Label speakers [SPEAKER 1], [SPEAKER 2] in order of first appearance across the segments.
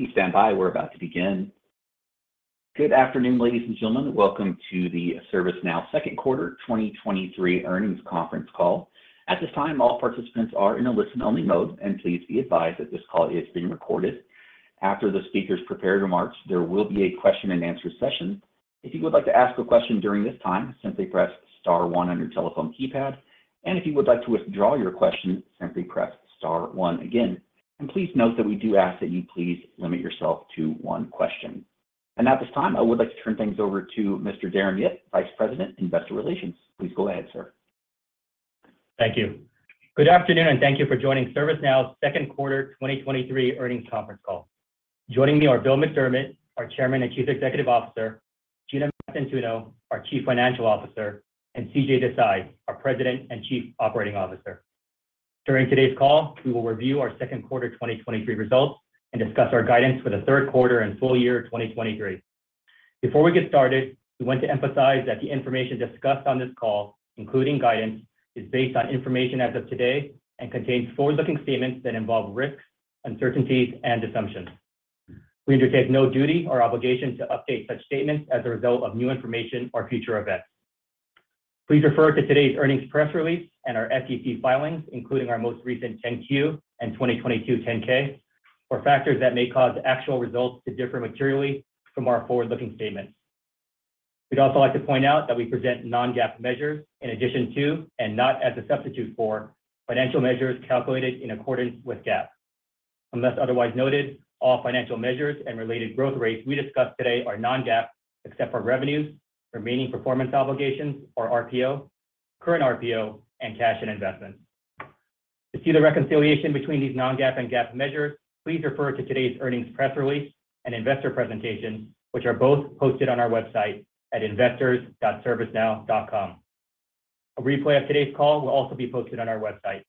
[SPEAKER 1] Please stand by. We're about to begin. Good afternoon, ladies and gentlemen. Welcome to the ServiceNow Q2 2023 earnings conference call. At this time, all participants are in a listen-only mode, and please be advised that this call is being recorded. After the speakers' prepared remarks, there will be a question and answer session. If you would like to ask a question during this time, simply press star one on your telephone keypad, and if you would like to withdraw your question, simply press star one again. Please note that we do ask that you please limit yourself to one question. At this time, I would like to turn things over to Mr. Darren Yip, Vice President, Investor Relations. Please go ahead, sir.
[SPEAKER 2] Thank you. Good afternoon, and thank you for joining ServiceNow's Q2 2023 earnings conference call. Joining me are Bill McDermott, our Chairman and Chief Executive Officer, Gina Mastantuono, our Chief Financial Officer, and CJ Desai, our President and Chief Operating Officer. During today's call, we will review our Q2 2023 results and discuss our guidance for the Q3 and full year 2023. Before we get started, we want to emphasize that the information discussed on this call, including guidance, is based on information as of today and contains forward-looking statements that involve risks, uncertainties, and assumptions. We undertake no duty or obligation to update such statements as a result of new information or future events. Please refer to today's earnings press release and our SEC filings, including our most recent 10-Q and 2022 10-K, for factors that may cause actual results to differ materially from our forward-looking statements. We'd also like to point out that we present non-GAAP measures in addition to, and not as a substitute for, financial measures calculated in accordance with GAAP. Unless otherwise noted, all financial measures and related growth rates we discussed today are non-GAAP, except for revenues, remaining performance obligations or RPO, current RPO, and cash and investments. To see the reconciliation between these non-GAAP and GAAP measures, please refer to today's earnings press release and investor presentation, which are both posted on our website at investors.ServiceNow.com. A replay of today's call will also be posted on our website.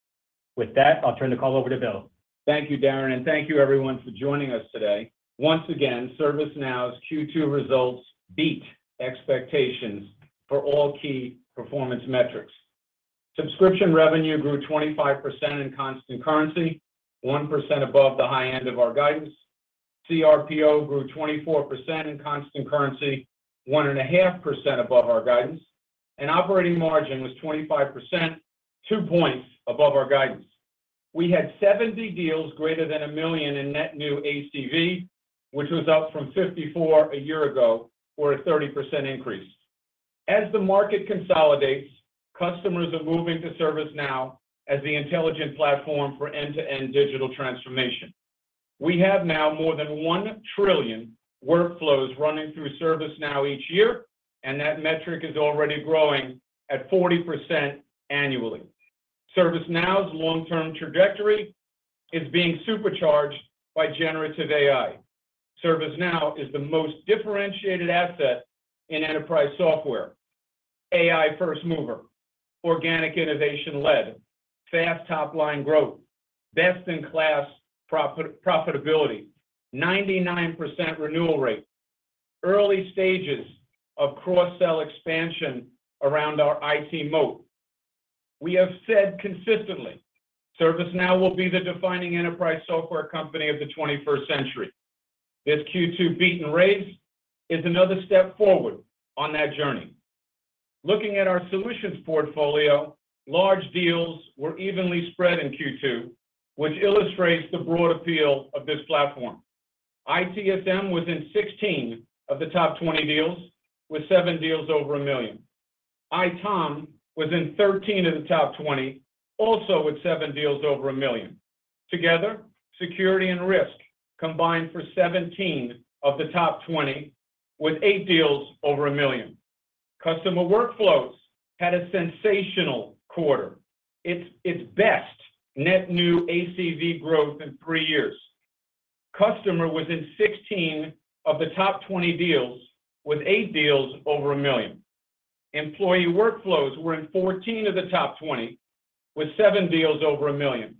[SPEAKER 2] With that, I'll turn the call over to Bill.
[SPEAKER 3] Thank you, Darren, and thank you everyone for joining us today. Once again, ServiceNow's Q2 results beat expectations for all key performance metrics. Subscription revenue grew 25% in constant currency, 1% above the high end of our guidance. CRPO grew 24% in constant currency, 1.5% above our guidance, and operating margin was 25%, 2 points above our guidance. We had 70 deals greater than $1 million in net new ACV, which was up from 54 a year ago, or a 30% increase. As the market consolidates, customers are moving to ServiceNow as the intelligent platform for end-to-end digital transformation. We have now more than 1 trillion workflows running through ServiceNow each year, and that metric is already growing at 40% annually. ServiceNow's long-term trajectory is being supercharged by generative AI. ServiceNow is the most differentiated asset in enterprise software. AI first mover, organic innovation led, fast top line growth, best-in-class profitability, 99% renewal rate, early stages of cross-sell expansion around our IT moat. We have said consistently, ServiceNow will be the defining enterprise software company of the 21st century. This Q2 beat and raise is another step forward on that journey. Looking at our solutions portfolio, large deals were evenly spread in Q2, which illustrates the broad appeal of this platform. ITSM was in 16 of the top 20 deals, with 7 deals over $1 million. ITOM was in 13 of the top 20, also with 7 deals over $1 million. Together, security and risk combined for 17 of the top 20, with 8 deals over $1 million. Customer workflows had a sensational quarter. It's best net new ACV growth in 3 years. Customer was in 16 of the top 20 deals, with 8 deals over $1 million. Employee workflows were in 14 of the top 20, with 7 deals over $1 million.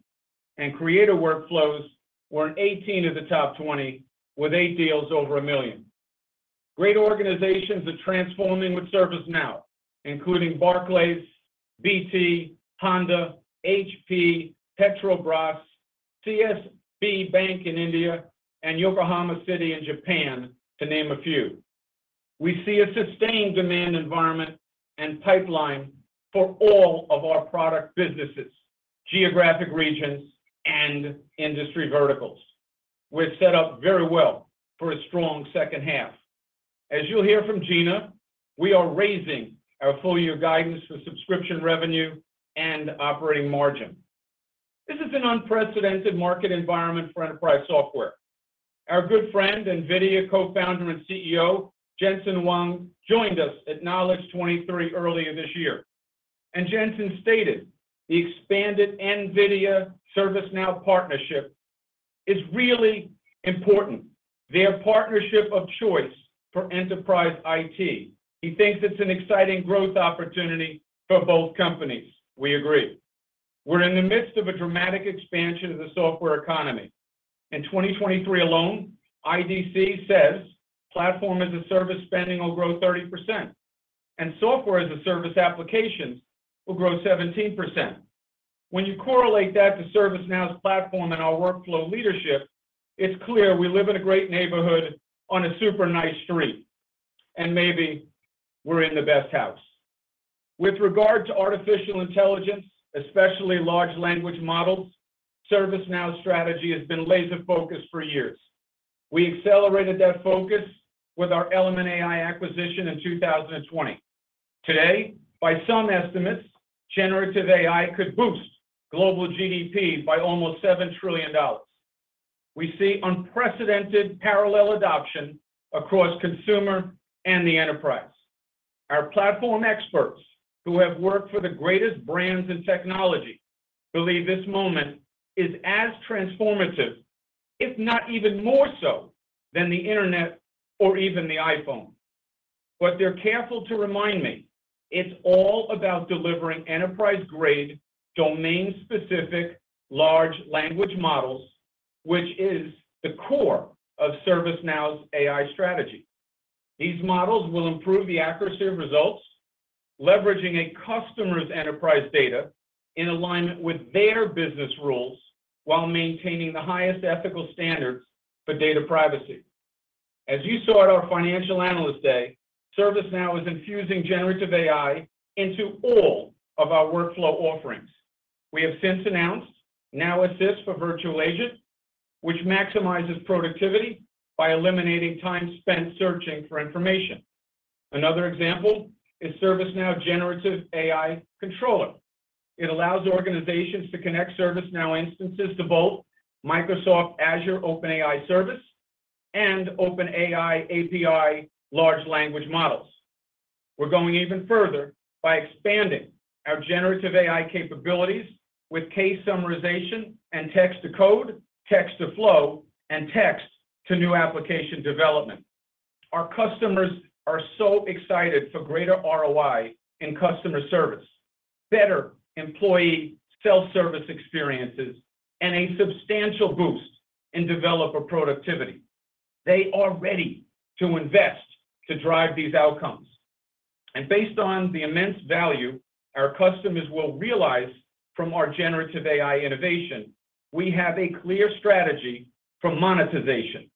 [SPEAKER 3] Creator workflows were in 18 of the top 20, with 8 deals over $1 million. Great organizations are transforming with ServiceNow, including Barclays, BT, Honda, HP, Petrobras, CSB Bank in India, and Yokohama City in Japan, to name a few. We see a sustained demand environment and pipeline for all of our product businesses, geographic regions, and industry verticals. We're set up very well for a strong H2. As you'll hear from Gina, we are raising our full year guidance for subscription revenue and operating margin. This is an unprecedented market environment for enterprise software. Our good friend, NVIDIA Co-founder and CEO, Jensen Huang, joined us at Knowledge 23 earlier this year. Jensen stated, the expanded NVIDIA-ServiceNow partnership is really important, their partnership of choice for enterprise IT. He thinks it's an exciting growth opportunity for both companies. We agree. We're in the midst of a dramatic expansion of the software economy. In 2023 alone, IDC says, platform as a service spending will grow 30%, and software as a service applications will grow 17%. When you correlate that to ServiceNow's platform and our workflow leadership, it's clear we live in a great neighborhood on a super nice street, and maybe we're in the best house. With regard to artificial intelligence, especially large language models, ServiceNow's strategy has been laser-focused for years. We accelerated that focus with our Element AI acquisition in 2020. Today, by some estimates, generative AI could boost global GDP by almost $7 trillion. We see unprecedented parallel adoption across consumer and the enterprise. Our platform experts, who have worked for the greatest brands in technology, believe this moment is as transformative, if not even more so, than the internet or even the iPhone. They're careful to remind me, it's all about delivering enterprise-grade, domain-specific, large language models, which is the core of ServiceNow's AI strategy. These models will improve the accuracy of results, leveraging a customer's enterprise data in alignment with their business rules, while maintaining the highest ethical standards for data privacy. As you saw at our Financial Analyst Day, ServiceNow is infusing generative AI into all of our workflow offerings. We have since announced Now Assist for Virtual Agent, which maximizes productivity by eliminating time spent searching for information. Another example is ServiceNow Generative AI Controller. It allows organizations to connect ServiceNow instances to both Microsoft Azure OpenAI Service and OpenAI API large language models. We're going even further by expanding our generative AI capabilities with case summarization and text to code, text to flow, and text to new application development. Our customers are so excited for greater ROI in customer service, better employee self-service experiences, and a substantial boost in developer productivity. They are ready to invest to drive these outcomes. Based on the immense value our customers will realize from our generative AI innovation, we have a clear strategy for monetization.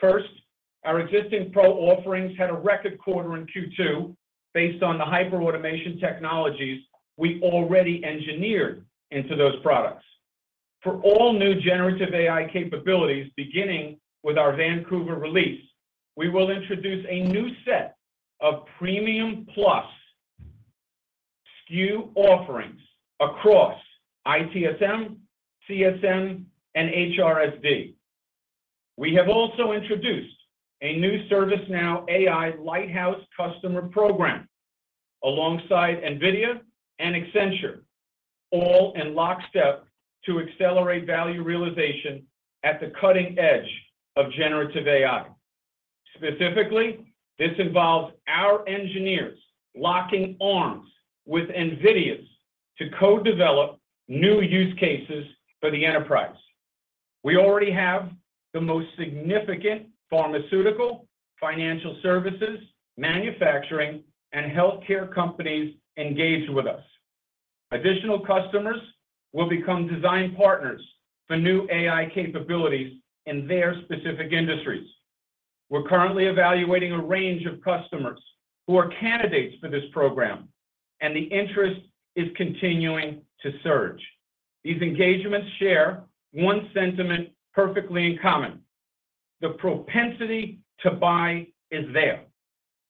[SPEAKER 3] First, our existing Pro offerings had a record quarter in Q2 based on the hyperautomation technologies we already engineered into those products. For all new generative AI capabilities, beginning with our Vancouver release, we will introduce a new set of premium plus SKU offerings across ITSM, CSM, and HRSD. We have also introduced a new ServiceNow AI Lighthouse customer program alongside NVIDIA and Accenture, all in lockstep to accelerate value realization at the cutting edge of generative AI. Specifically, this involves our engineers locking arms with NVIDIA's to co-develop new use cases for the enterprise. We already have the most significant pharmaceutical, financial services, manufacturing, and healthcare companies engaged with us. Additional customers will become design partners for new AI capabilities in their specific industries. We're currently evaluating a range of customers who are candidates for this program, and the interest is continuing to surge. These engagements share one sentiment perfectly in common: the propensity to buy is there.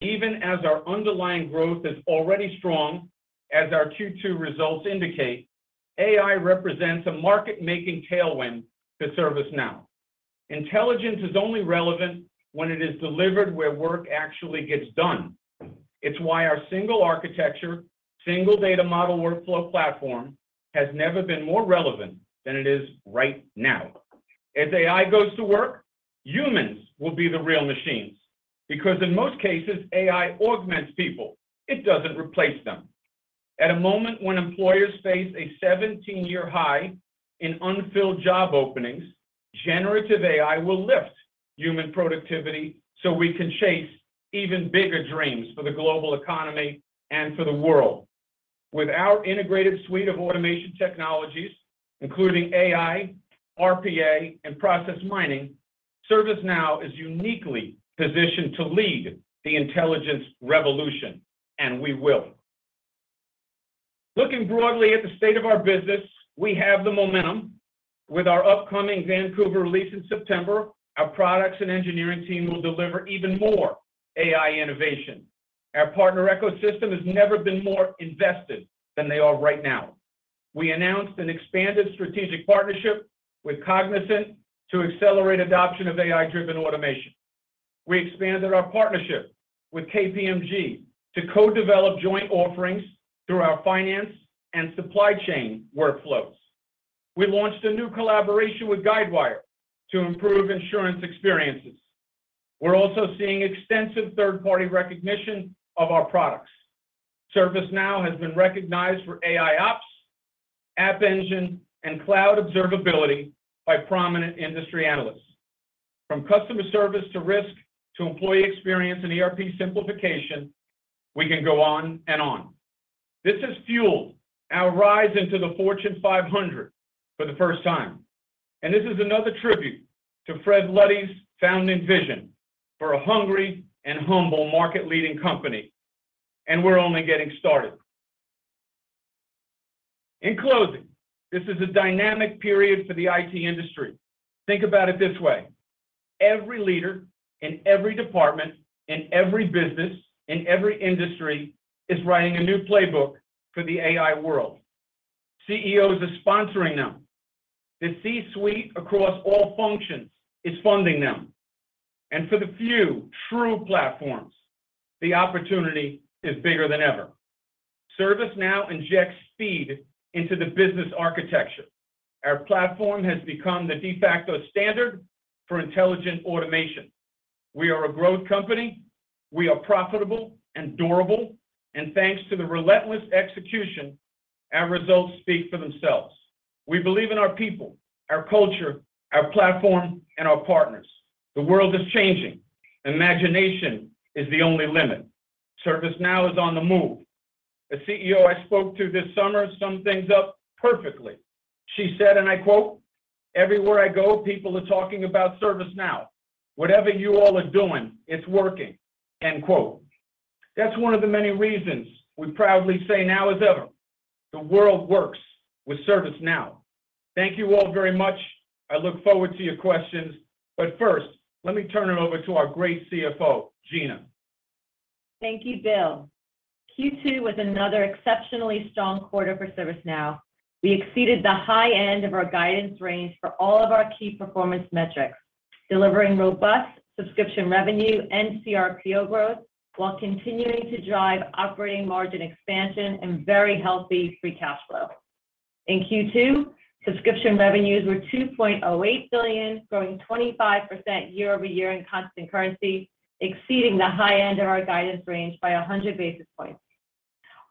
[SPEAKER 3] Even as our underlying growth is already strong, as our Q2 results indicate, AI represents a market-making tailwind to ServiceNow. Intelligence is only relevant when it is delivered where work actually gets done. It's why our single architecture, single data model workflow platform, has never been more relevant than it is right now. As AI goes to work, humans will be the real machines, because in most cases, AI augments people, it doesn't replace them. At a moment when employers face a 17-year high in unfilled job openings, generative AI will lift human productivity so we can chase even bigger dreams for the global economy and for the world. With our integrated suite of automation technologies, including AI, RPA, and process mining, ServiceNow is uniquely positioned to lead the intelligence revolution. We will. Looking broadly at the state of our business, we have the momentum. With our upcoming Vancouver release in September, our products and engineering team will deliver even more AI innovation. Our partner ecosystem has never been more invested than they are right now. We announced an expanded strategic partnership with Cognizant to accelerate adoption of AI-driven automation. We expanded our partnership with KPMG to co-develop joint offerings through our finance and supply chain workflows. We launched a new collaboration with Guidewire to improve insurance experiences. We're also seeing extensive third-party recognition of our products. ServiceNow has been recognized for AIOps, App Engine, and cloud observability by prominent industry analysts. From customer service to risk, to employee experience and ERP simplification, we can go on and on. This has fueled our rise into the Fortune 500 for the first time. This is another tribute to Fred Luddy's founding vision for a hungry and humble market-leading company. We're only getting started. In closing, this is a dynamic period for the IT industry. Think about it this way: every leader in every department, in every business, in every industry, is writing a new playbook for the AI world. CEOs are sponsoring them. The C-suite across all functions is funding them, and for the few true platforms, the opportunity is bigger than ever. ServiceNow injects speed into the business architecture. Our platform has become the de facto standard for intelligent automation. We are a growth company, we are profitable and durable, and thanks to the relentless execution, our results speak for themselves. We believe in our people, our culture, our platform, and our partners. The world is changing. Imagination is the only limit. ServiceNow is on the move. A CEO I spoke to this summer, summed things up perfectly. She said, and I quote, "Everywhere I go, people are talking about ServiceNow. Whatever you all are doing, it's working." End quote. That's one of the many reasons we proudly say, Now is ever. The world works with ServiceNow. Thank you all very much. I look forward to your questions. First, let me turn it over to our great CFO, Gina.
[SPEAKER 4] Thank you, Bill. Q2 was another exceptionally strong quarter for ServiceNow. We exceeded the high end of our guidance range for all of our key performance metrics, delivering robust subscription revenue and CRPO growth, while continuing to drive operating margin expansion and very healthy free cash flow. In Q2, subscription revenues were $2.08 billion, growing 25% year-over-year in constant currency, exceeding the high end of our guidance range by 100 basis points.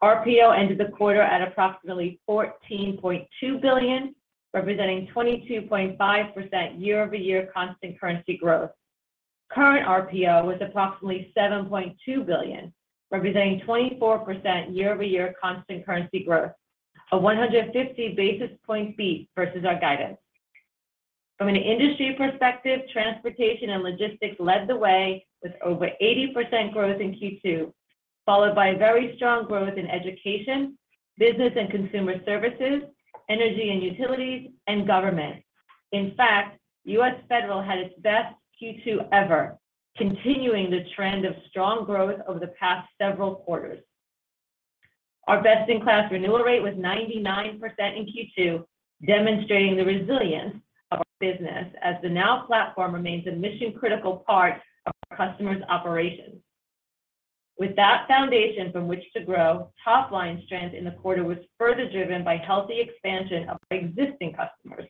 [SPEAKER 4] RPO ended the quarter at approximately $14.2 billion, representing 22.5% year-over-year constant currency growth. Current RPO was approximately $7.2 billion, representing 24% year-over-year constant currency growth, a 150 basis point beat versus our guidance. From an industry perspective, transportation and logistics led the way with over 80% growth in Q2, followed by very strong growth in education, business and consumer services, energy and utilities, and government. In fact, U.S. Federal had its best Q2 ever, continuing the trend of strong growth over the past several quarters. Our best-in-class renewal rate was 99% in Q2, demonstrating the resilience of our business as the Now Platform remains a mission-critical part of our customers' operations. With that foundation from which to grow, top-line strength in the quarter was further driven by healthy expansion of our existing customers.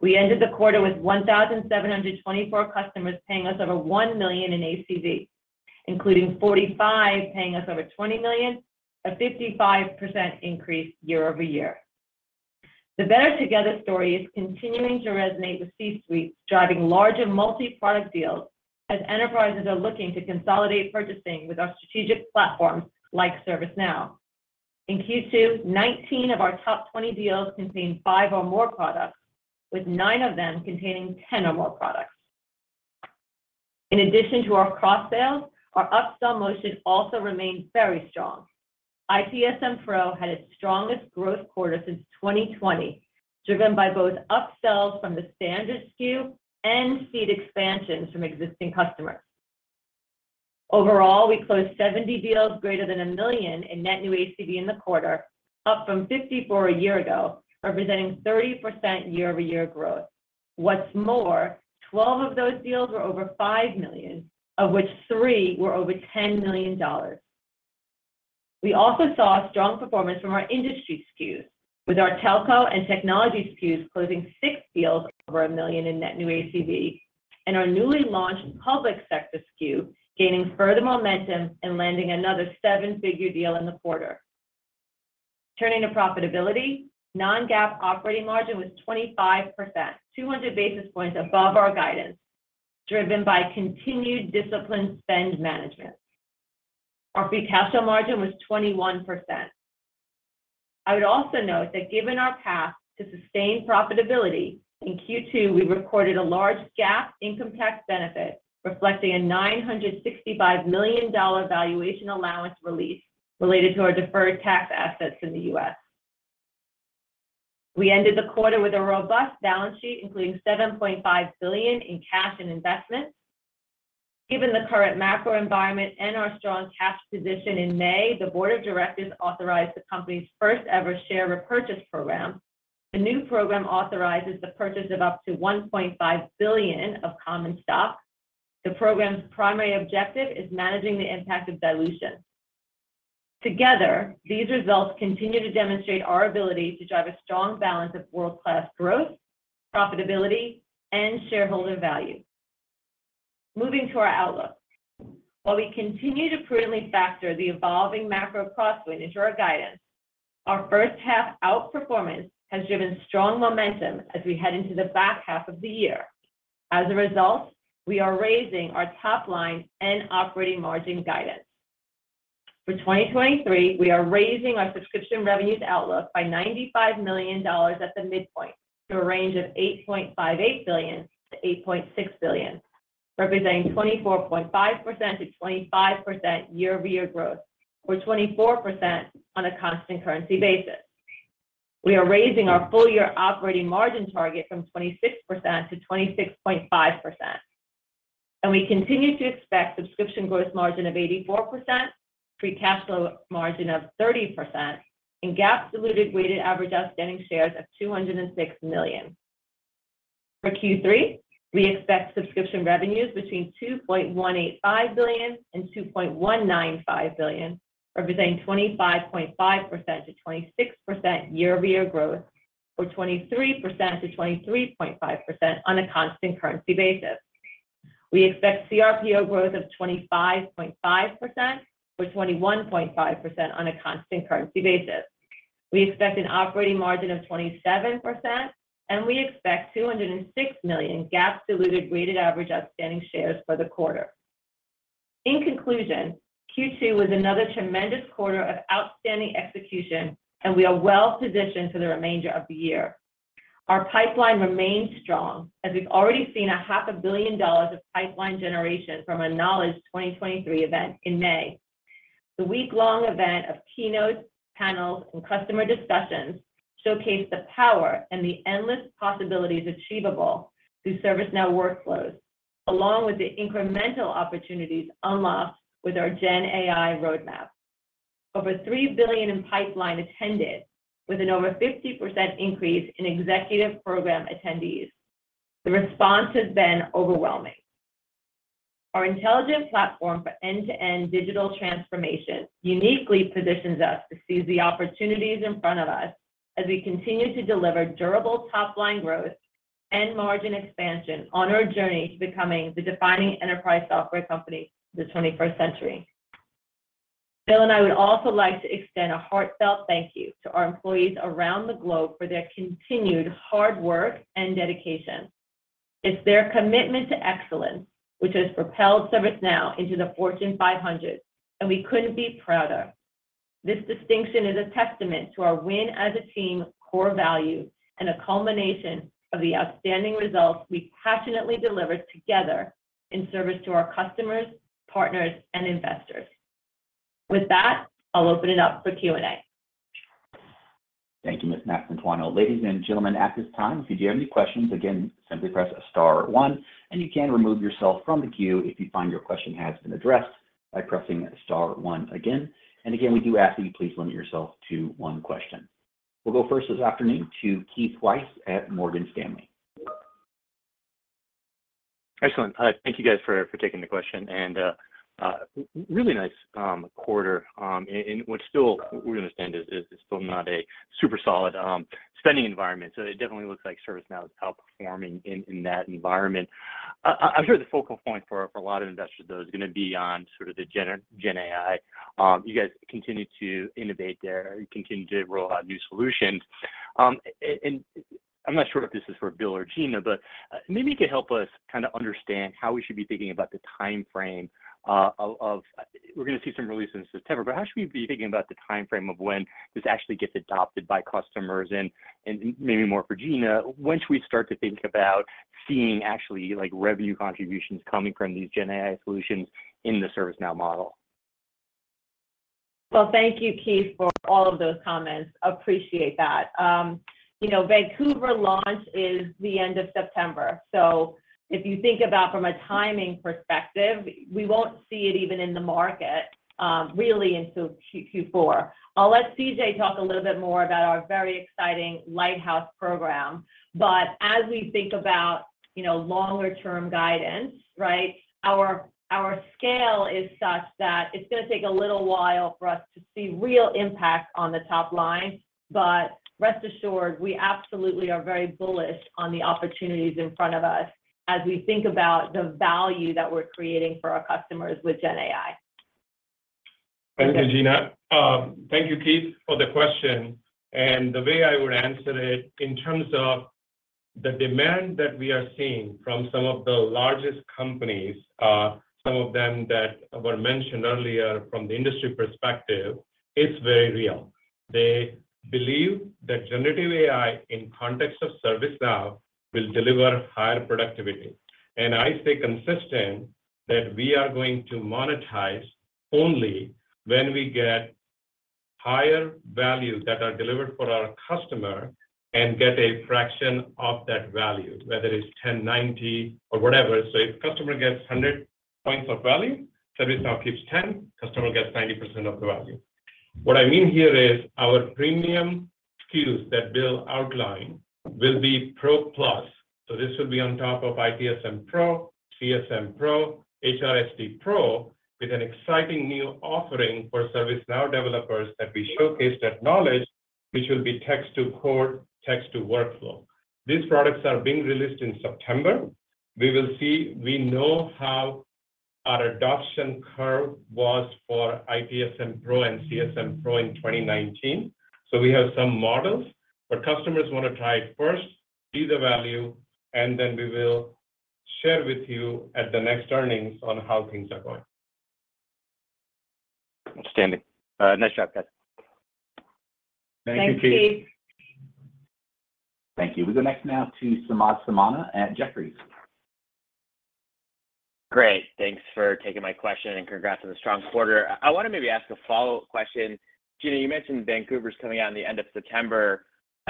[SPEAKER 4] We ended the quarter with 1,724 customers paying us over $1 million in ACV, including 45 paying us over $20 million, a 55% increase year-over-year. The Better Together story is continuing to resonate with C-suites, driving larger multi-product deals as enterprises are looking to consolidate purchasing with our strategic platform like ServiceNow. In Q2, 19 of our top 20 deals contained 5 or more products, with 9 of them containing 10 or more products. In addition to our cross sales, our upsell motion also remains very strong. ITSM Pro had its strongest growth quarter since 2020, driven by both upsells from the standard SKU and seat expansions from existing customers. Overall, we closed 70 deals greater than $1 million in net new ACV in the quarter, up from 54 a year ago, representing 30% year-over-year growth. What's more, 12 of those deals were over $5 million, of which 3 were over $10 million. We also saw a strong performance from our industry SKUs, with our telco and technology SKUs closing 6 deals over $1 million in net new ACV, and our newly launched public sector SKU gaining further momentum and landing another 7-figure deal in the quarter. Turning to profitability, non-GAAP operating margin was 25%, 200 basis points above our guidance, driven by continued disciplined spend management. Our free cash flow margin was 21%. I would also note that given our path to sustain profitability, in Q2, we recorded a large GAAP income tax benefit, reflecting a $965 million valuation allowance release related to our deferred tax assets in the U.S. We ended the quarter with a robust balance sheet, including $7.5 billion in cash and investments. Given the current macro environment and our strong cash position in May, the board of directors authorized the company's first-ever share repurchase program. The new program authorizes the purchase of up to $1.5 billion of common stock. The program's primary objective is managing the impact of dilution. Together, these results continue to demonstrate our ability to drive a strong balance of world-class growth, profitability, and shareholder value. Moving to our outlook. While we continue to prudently factor the evolving macro crosswind into our guidance, our H1 outperformance has driven strong momentum as we head into the back half of the year. As a result, we are raising our top line and operating margin guidance. For 2023, we are raising our subscription revenues outlook by $95 million at the midpoint to a range of $8.58 billion-$8.6 billion, representing 24.5%-25% year-over-year growth, or 24% on a constant currency basis. We are raising our full-year operating margin target from 26%-26.5%, and we continue to expect subscription gross margin of 84%, free cash flow margin of 30%, and GAAP diluted weighted average outstanding shares of 206 million. For Q3, we expect subscription revenues between $2.185 billion and $2.195 billion, representing 25.5%-26% year-over-year growth, or 23%-23.5% on a constant currency basis. We expect CRPO growth of 25.5%, or 21.5% on a constant currency basis. We expect an operating margin of 27%, and we expect 206 million GAAP diluted weighted average outstanding shares for the quarter. In conclusion, Q2 was another tremendous quarter of outstanding execution, and we are well positioned for the remainder of the year. Our pipeline remains strong, as we've already seen a half a billion dollars of pipeline generation from our Knowledge 2023 event in May. The week-long event of keynotes, panels, and customer discussions showcased the power and the endless possibilities achievable through ServiceNow workflows, along with the incremental opportunities unlocked with our GenAI roadmap. Over $3 billion in pipeline attended, with an over 50% increase in executive program attendees. The response has been overwhelming. Our intelligent platform for end-to-end digital transformation uniquely positions us to seize the opportunities in front of us as we continue to deliver durable top-line growth and margin expansion on our journey to becoming the defining enterprise software company of the 21st century. Bill and I would also like to extend a heartfelt thank you to our employees around the globe for their continued hard work and dedication. It's their commitment to excellence which has propelled ServiceNow into the Fortune 500, and we couldn't be prouder. This distinction is a testament to our win-as-a-team core value and a culmination of the outstanding results we passionately delivered together in service to our customers, partners, and investors. With that, I'll open it up for Q&A.
[SPEAKER 1] Thank you, Ms. Mastantuono. Ladies and gentlemen, at this time, if you do have any questions, again, simply press star one, and you can remove yourself from the queue if you find your question has been addressed by pressing star one again. Again, we do ask that you please limit yourself to one question. We'll go first this afternoon to Keith Weiss at Morgan Stanley.
[SPEAKER 5] Excellent. Thank you guys for taking the question, really nice quarter in what still we understand is still not a super solid spending environment. It definitely looks like ServiceNow is outperforming in that environment. I'm sure the focal point for a lot of investors, though, is going to be on sort of the Gen AI. You guys continue to innovate there. You continue to roll out new solutions. And I'm not sure if this is for Bill or Gina, but maybe you could help us kind of understand how we should be thinking about the time frame of when this actually gets adopted by customers? Maybe more for Gina, when should we start to think about seeing actually, like, revenue contributions coming from these GenAI solutions in the ServiceNow model?
[SPEAKER 4] Well, thank you, Keith, for all of those comments. Appreciate that. You know, Vancouver launch is the end of September. If you think about from a timing perspective, we won't see it even in the market, really until Q4. I'll let CJ talk a little bit more about our very exciting Lighthouse program. As we think about, you know, longer term guidance, right, our scale is such that it's going to take a little while for us to see real impact on the top line. Rest assured, we absolutely are very bullish on the opportunities in front of us as we think about the value that we're creating for our customers with GenAI.
[SPEAKER 6] Thank you, Gina. Thank you, Keith, for the question. The way I would answer it, in terms of the demand that we are seeing from some of the largest companies, some of them that were mentioned earlier from the industry perspective, it's very real. They believe that generative AI, in context of ServiceNow, will deliver higher productivity. I stay consistent that we are going to monetize only when we get higher values that are delivered for our customer and get a fraction of that value, whether it's 10 90 or whatever. If customer gets 100 points of value, ServiceNow keeps 10, customer gets 90% of the value. What I mean here is our premium skills that Bill outlined will be Pro Plus. This will be on top of ITSM Pro, CSM Pro, HRSD Pro, with an exciting new offering for ServiceNow developers that we showcased at Knowledge, which will be text to code, text to workflow. These products are being released in September. We will see, we know how our adoption curve was for ITSM Pro and CSM Pro in 2019. We have some models, but customers want to try it first, see the value, and then we will share with you at the next earnings on how things are going.
[SPEAKER 5] Outstanding. nice job, guys.
[SPEAKER 4] Thank you, Keith.
[SPEAKER 1] Thank you. We go next now to Samad Samana at Jefferies.
[SPEAKER 7] Great. Thanks for taking my question. Congrats on the strong quarter. I want to maybe ask a follow-up question. Gina, you mentioned Vancouver's coming out in the end of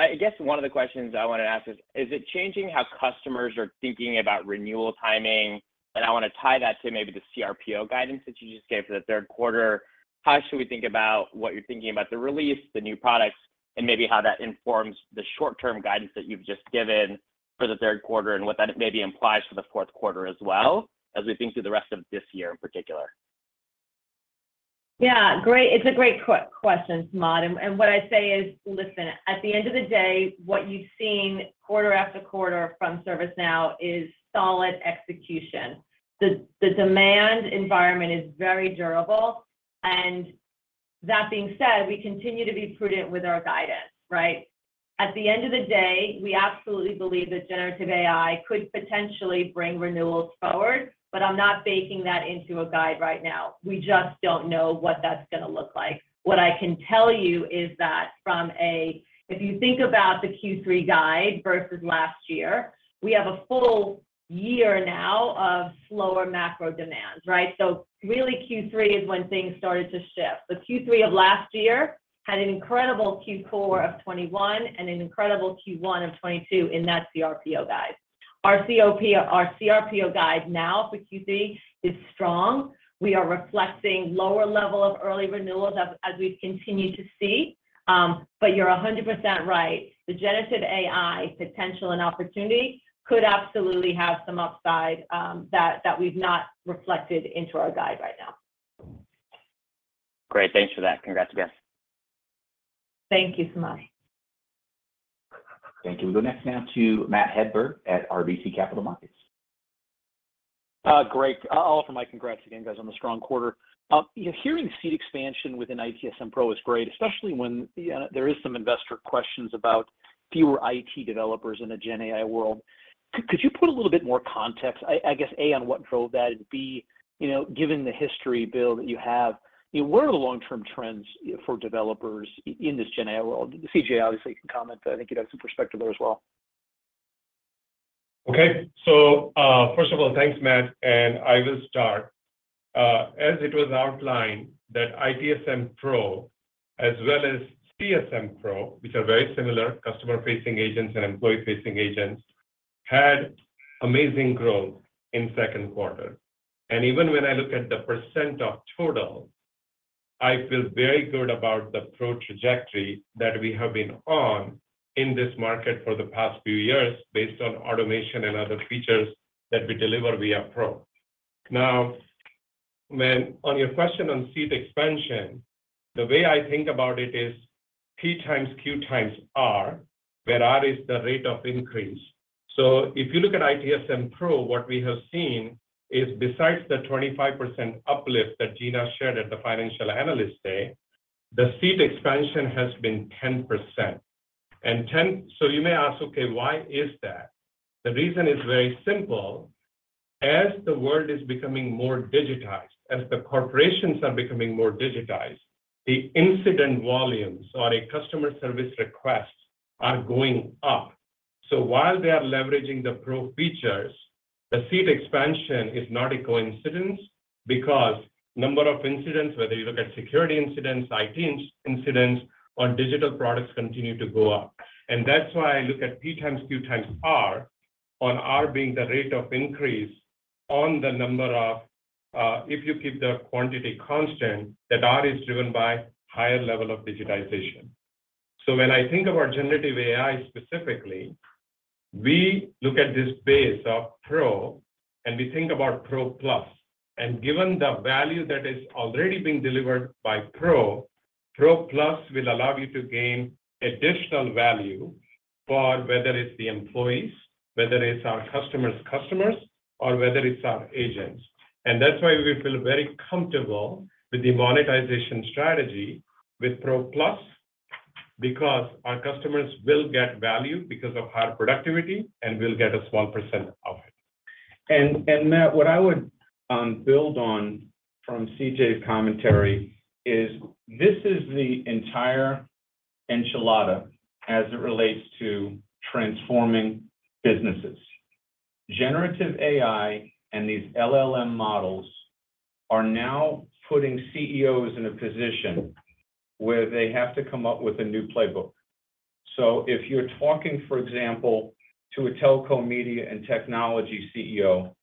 [SPEAKER 7] September. I guess one of the questions I wanted to ask is: Is it changing how customers are thinking about renewal timing? I want to tie that to maybe the CRPO guidance that you just gave for the Q3. How should we think about what you're thinking about the release, the new products, and maybe how that informs the short-term guidance that you've just given for the Q3, and what that maybe implies for the fourth quarter as well, as we think through the rest of this year in particular?
[SPEAKER 4] Yeah, great. It's a great question, Samad, what I'd say is, listen, at the end of the day, what you've seen quarter after quarter from ServiceNow is solid execution. The demand environment is very durable, that being said, we continue to be prudent with our guidance, right? At the end of the day, we absolutely believe that generative AI could potentially bring renewals forward, but I'm not baking that into a guide right now. We just don't know what that's gonna look like. What I can tell you is that if you think about the Q3 guide versus last year, we have a full year now of slower macro demands, right? Really, Q3 is when things started to shift. The Q3 of last year had an incredible Q4 of 2021 and an incredible Q1 of 2022 in that CRPO guide. Our COP, our CRPO guide now for Q3 is strong. We are reflecting lower level of early renewals as we've continued to see. You're 100% right. The generative AI potential and opportunity could absolutely have some upside that we've not reflected into our guide right now.
[SPEAKER 7] Great, thanks for that. Congrats, guys.
[SPEAKER 4] Thank you, Samad.
[SPEAKER 1] Thank you. We go next now to Matthew Hedberg at RBC Capital Markets.
[SPEAKER 8] Great. I'll offer my congrats again, guys, on the strong quarter. Hearing seat expansion within ITSM Pro is great, especially when there is some investor questions about fewer IT developers in the GenAI world. Could you put a little bit more context, I guess, A, on what drove that, and B, you know, given the history, Bill, that you have, you know, what are the long-term trends for developers in this GenAI world? CJ, obviously, you can comment, but I think you'd have some perspective there as well.
[SPEAKER 6] Okay. First of all, thanks, Matt, and I will start. As it was outlined, that ITSM Pro, as well as CSM Pro, which are very similar, customer-facing agents and employee-facing agents, had amazing growth in Q2. Even when I look at the percent of total, I feel very good about the pro trajectory that we have been on in this market for the past few years, based on automation and other features that we deliver via Pro. Now, on your question on seat expansion, the way I think about it is P times Q times R, where R is the rate of increase. If you look at ITSM Pro, what we have seen is, besides the 25% uplift that Gina shared at the Financial Analyst Day, the seat expansion has been 10%. You may ask, "Okay, why is that?" The reason is very simple. As the world is becoming more digitized, as the corporations are becoming more digitized, the incident volumes or a customer service requests are going up. While they are leveraging the Pro features, the seat expansion is not a coincidence, because number of incidents, whether you look at security incidents, IT incidents, or digital products, continue to go up. That's why I look at P times Q times R, on R being the rate of increase on the number of, if you keep the quantity constant, that R is driven by higher level of digitization. When I think about Generative AI specifically, we look at this base of Pro, and we think about Pro Plus. Given the value that is already being delivered by Pro Plus will allow you to gain additional value for whether it's the employees, whether it's our customers' customers, or whether it's our agents. That's why we feel very comfortable with the monetization strategy with Pro Plus, because our customers will get value because of higher productivity, and we'll get a small % of it.
[SPEAKER 3] Matt, what I would build on from CJ's commentary is this is the entire enchilada as it relates to transforming businesses. Generative AI and these LLM models are now putting CEOs in a position where they have to come up with a new playbook. If you're talking, for example, to a telecom, media, and technology CEO,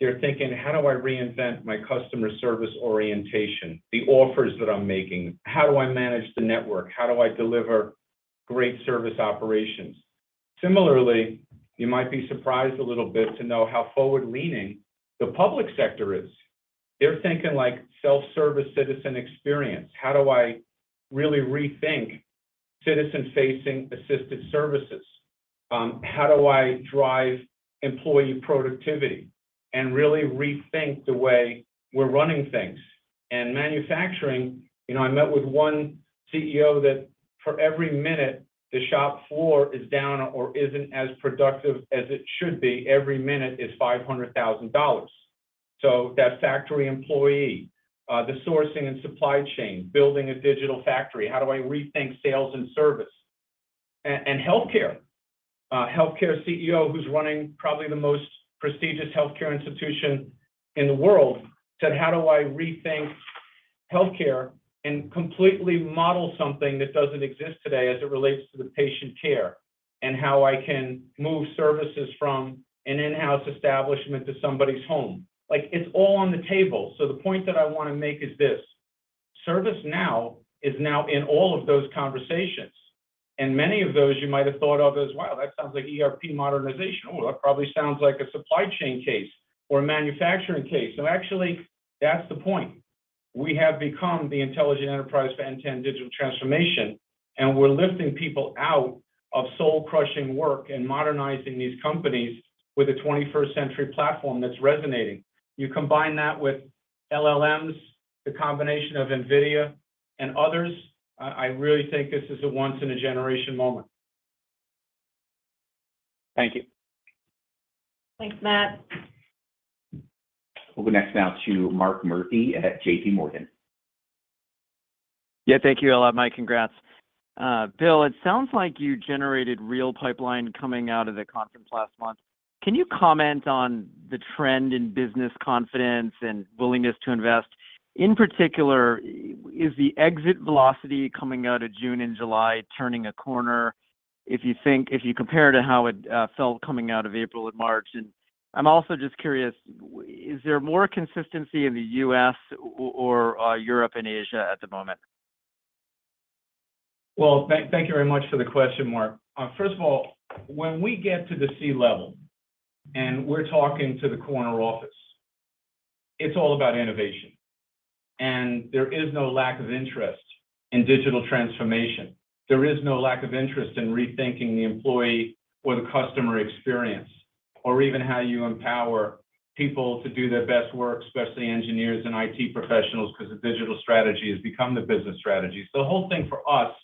[SPEAKER 3] they're thinking: How do I reinvent my customer service orientation, the offers that I'm making? How do I manage the network? How do I deliver great service operations? Similarly, you might be surprised a little bit to know how forward-leaning the public sector is.... They're thinking like self-service citizen experience. How do I really rethink citizen-facing assisted services? How do I drive employee productivity and really rethink the way we're running things? Manufacturing, you know, I met with one CEO that for every minute the shop floor is down or isn't as productive as it should be, every minute is $500,000. That factory employee, the sourcing and supply chain, building a digital factory, how do I rethink sales and service? Healthcare. A healthcare CEO who's running probably the most prestigious healthcare institution in the world, said: "How do I rethink healthcare and completely model something that doesn't exist today as it relates to the patient care, and how I can move services from an in-house establishment to somebody's home?" Like, it's all on the table. The point that I wanna make is this: ServiceNow is now in all of those conversations, and many of those you might have thought of as, "Well, that sounds like ERP modernization. Oh, that probably sounds like a supply chain case or a manufacturing case." No, actually, that's the point. We have become the intelligent enterprise for end-to-end digital transformation, and we're lifting people out of soul-crushing work and modernizing these companies with a twenty-first century platform that's resonating. You combine that with LLMs, the combination of NVIDIA and others, I really think this is a once-in-a-generation moment.
[SPEAKER 9] Thank you.
[SPEAKER 4] Thanks, Matt.
[SPEAKER 1] We'll go next now to Mark Murphy at JP Morgan.
[SPEAKER 10] Yeah, thank you a lot, Mike. Congrats. Bill, it sounds like you generated real pipeline coming out of the conference last month. Can you comment on the trend in business confidence and willingness to invest? In particular, is the exit velocity coming out of June and July turning a corner, if you compare to how it felt coming out of April and March? I'm also just curious, is there more consistency in the U.S. or Europe and Asia at the moment?
[SPEAKER 3] Well, thank you very much for the question, Mark. First of all, when we get to the C-level, and we're talking to the corner office, it's all about innovation, and there is no lack of interest in digital transformation. There is no lack of interest in rethinking the employee or the customer experience, or even how you empower people to do their best work, especially engineers and IT professionals, 'cause the digital strategy has become the business strategy. The whole thing for us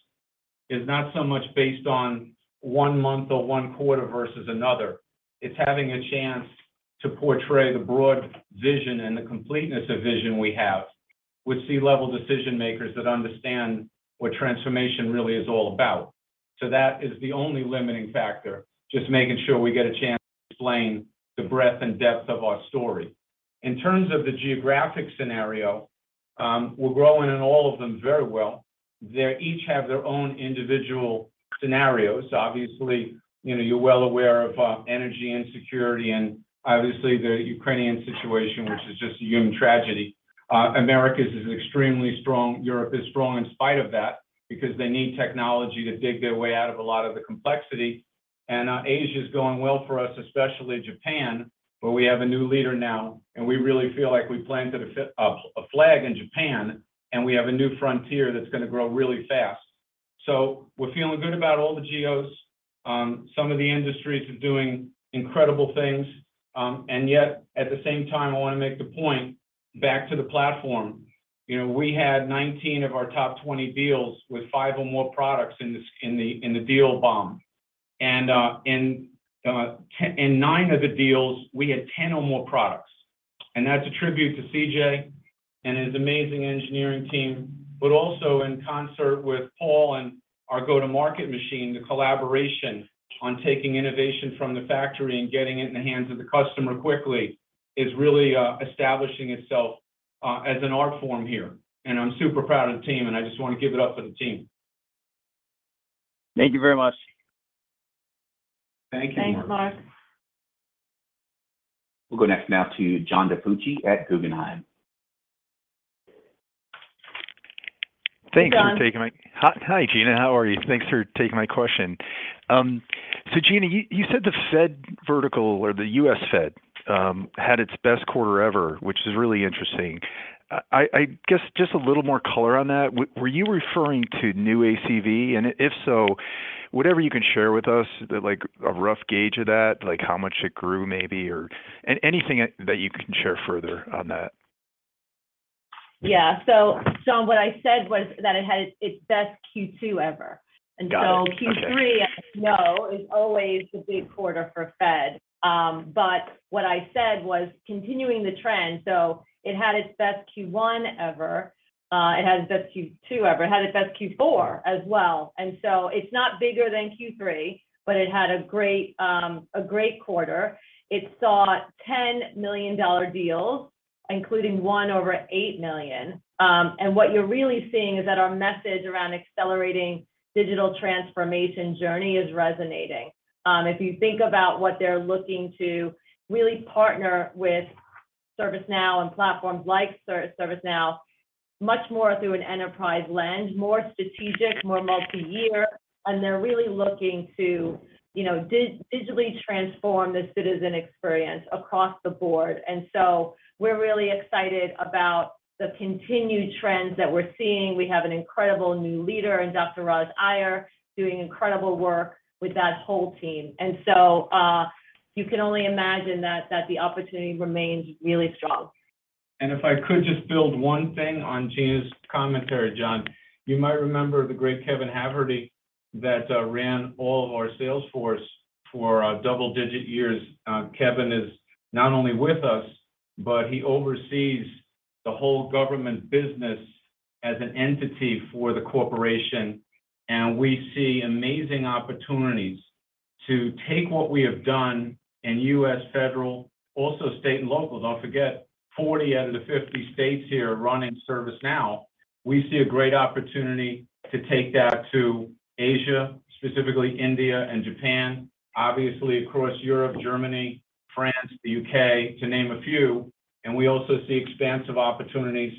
[SPEAKER 3] is not so much based on one month or one quarter versus another. It's having a chance to portray the broad vision and the completeness of vision we have with C-level decision makers that understand what transformation really is all about. That is the only limiting factor, just making sure we get a chance to explain the breadth and depth of our story. In terms of the geographic scenario, we're growing in all of them very well. They each have their own individual scenarios. Obviously, you know, you're well aware of energy insecurity and obviously the Ukrainian situation, which is just a human tragedy. Americas is extremely strong. Europe is strong in spite of that, because they need technology to dig their way out of a lot of the complexity. Asia is going well for us, especially Japan, where we have a new leader now, and we really feel like we planted a flag in Japan, and we have a new frontier that's gonna grow really fast. We're feeling good about all the geos. Some of the industries are doing incredible things. Yet, at the same time, I wanna make the point back to the platform. You know, we had 19 of our top 20 deals with 5 or more products in the deal bomb. In 9 of the deals, we had 10 or more products, and that's a tribute to CJ and his amazing engineering team. Also in concert with Paul and our go-to-market machine, the collaboration on taking innovation from the factory and getting it in the hands of the customer quickly is really establishing itself as an art form here. I'm super proud of the team, and I just wanna give it up for the team.
[SPEAKER 10] Thank you very much.
[SPEAKER 3] Thank you, Mark.
[SPEAKER 4] Thanks, Mark.
[SPEAKER 1] We'll go next now to John DiFucci at Guggenheim.
[SPEAKER 11] Thanks for taking.
[SPEAKER 4] John.
[SPEAKER 11] Hi, Gina. How are you? Thanks for taking my question. Gina, you said the Fed vertical or the U.S. Fed had its best quarter ever, which is really interesting. I guess just a little more color on that. Were you referring to new ACV? If so, whatever you can share with us, like a rough gauge of that, like how much it grew maybe, or anything that you can share further on that.
[SPEAKER 4] Yeah. What I said was that it had its best Q2 ever.
[SPEAKER 11] Got it. Okay.
[SPEAKER 4] Q3, as you know, is always the big quarter for U.S. Federal. What I said was continuing the trend, so it had its best Q1 ever, it had its best Q2 ever. It had its best Q4 as well, it's not bigger than Q3, but it had a great quarter. It saw 10 million dollar deals, including one over $8 million. What you're really seeing is that our message around accelerating digital transformation journey is resonating. If you think about what they're looking to really partner with ServiceNow and platforms like ServiceNow much more through an enterprise lens, more strategic, more multi-year, and they're really looking to, you know, digitally transform the citizen experience across the board. We're really excited about the continued trends that we're seeing. We have an incredible new leader in Dr. Raj Iyer, doing incredible work with that whole team. You can only imagine that the opportunity remains really strong.
[SPEAKER 3] If I could just build one thing on Gina's commentary, John. You might remember the great Kevin Haverty, that ran all of our sales force for double digit years. Kevin is not only with us, but he oversees the whole government business as an entity for the corporation. We see amazing opportunities to take what we have done in U.S. Federal, also state and local, don't forget, 40 out of the 50 states here are running ServiceNow. We see a great opportunity to take that to Asia, specifically India and Japan, obviously across Europe, Germany, France, the U.K., to name a few, and we also see expansive opportunities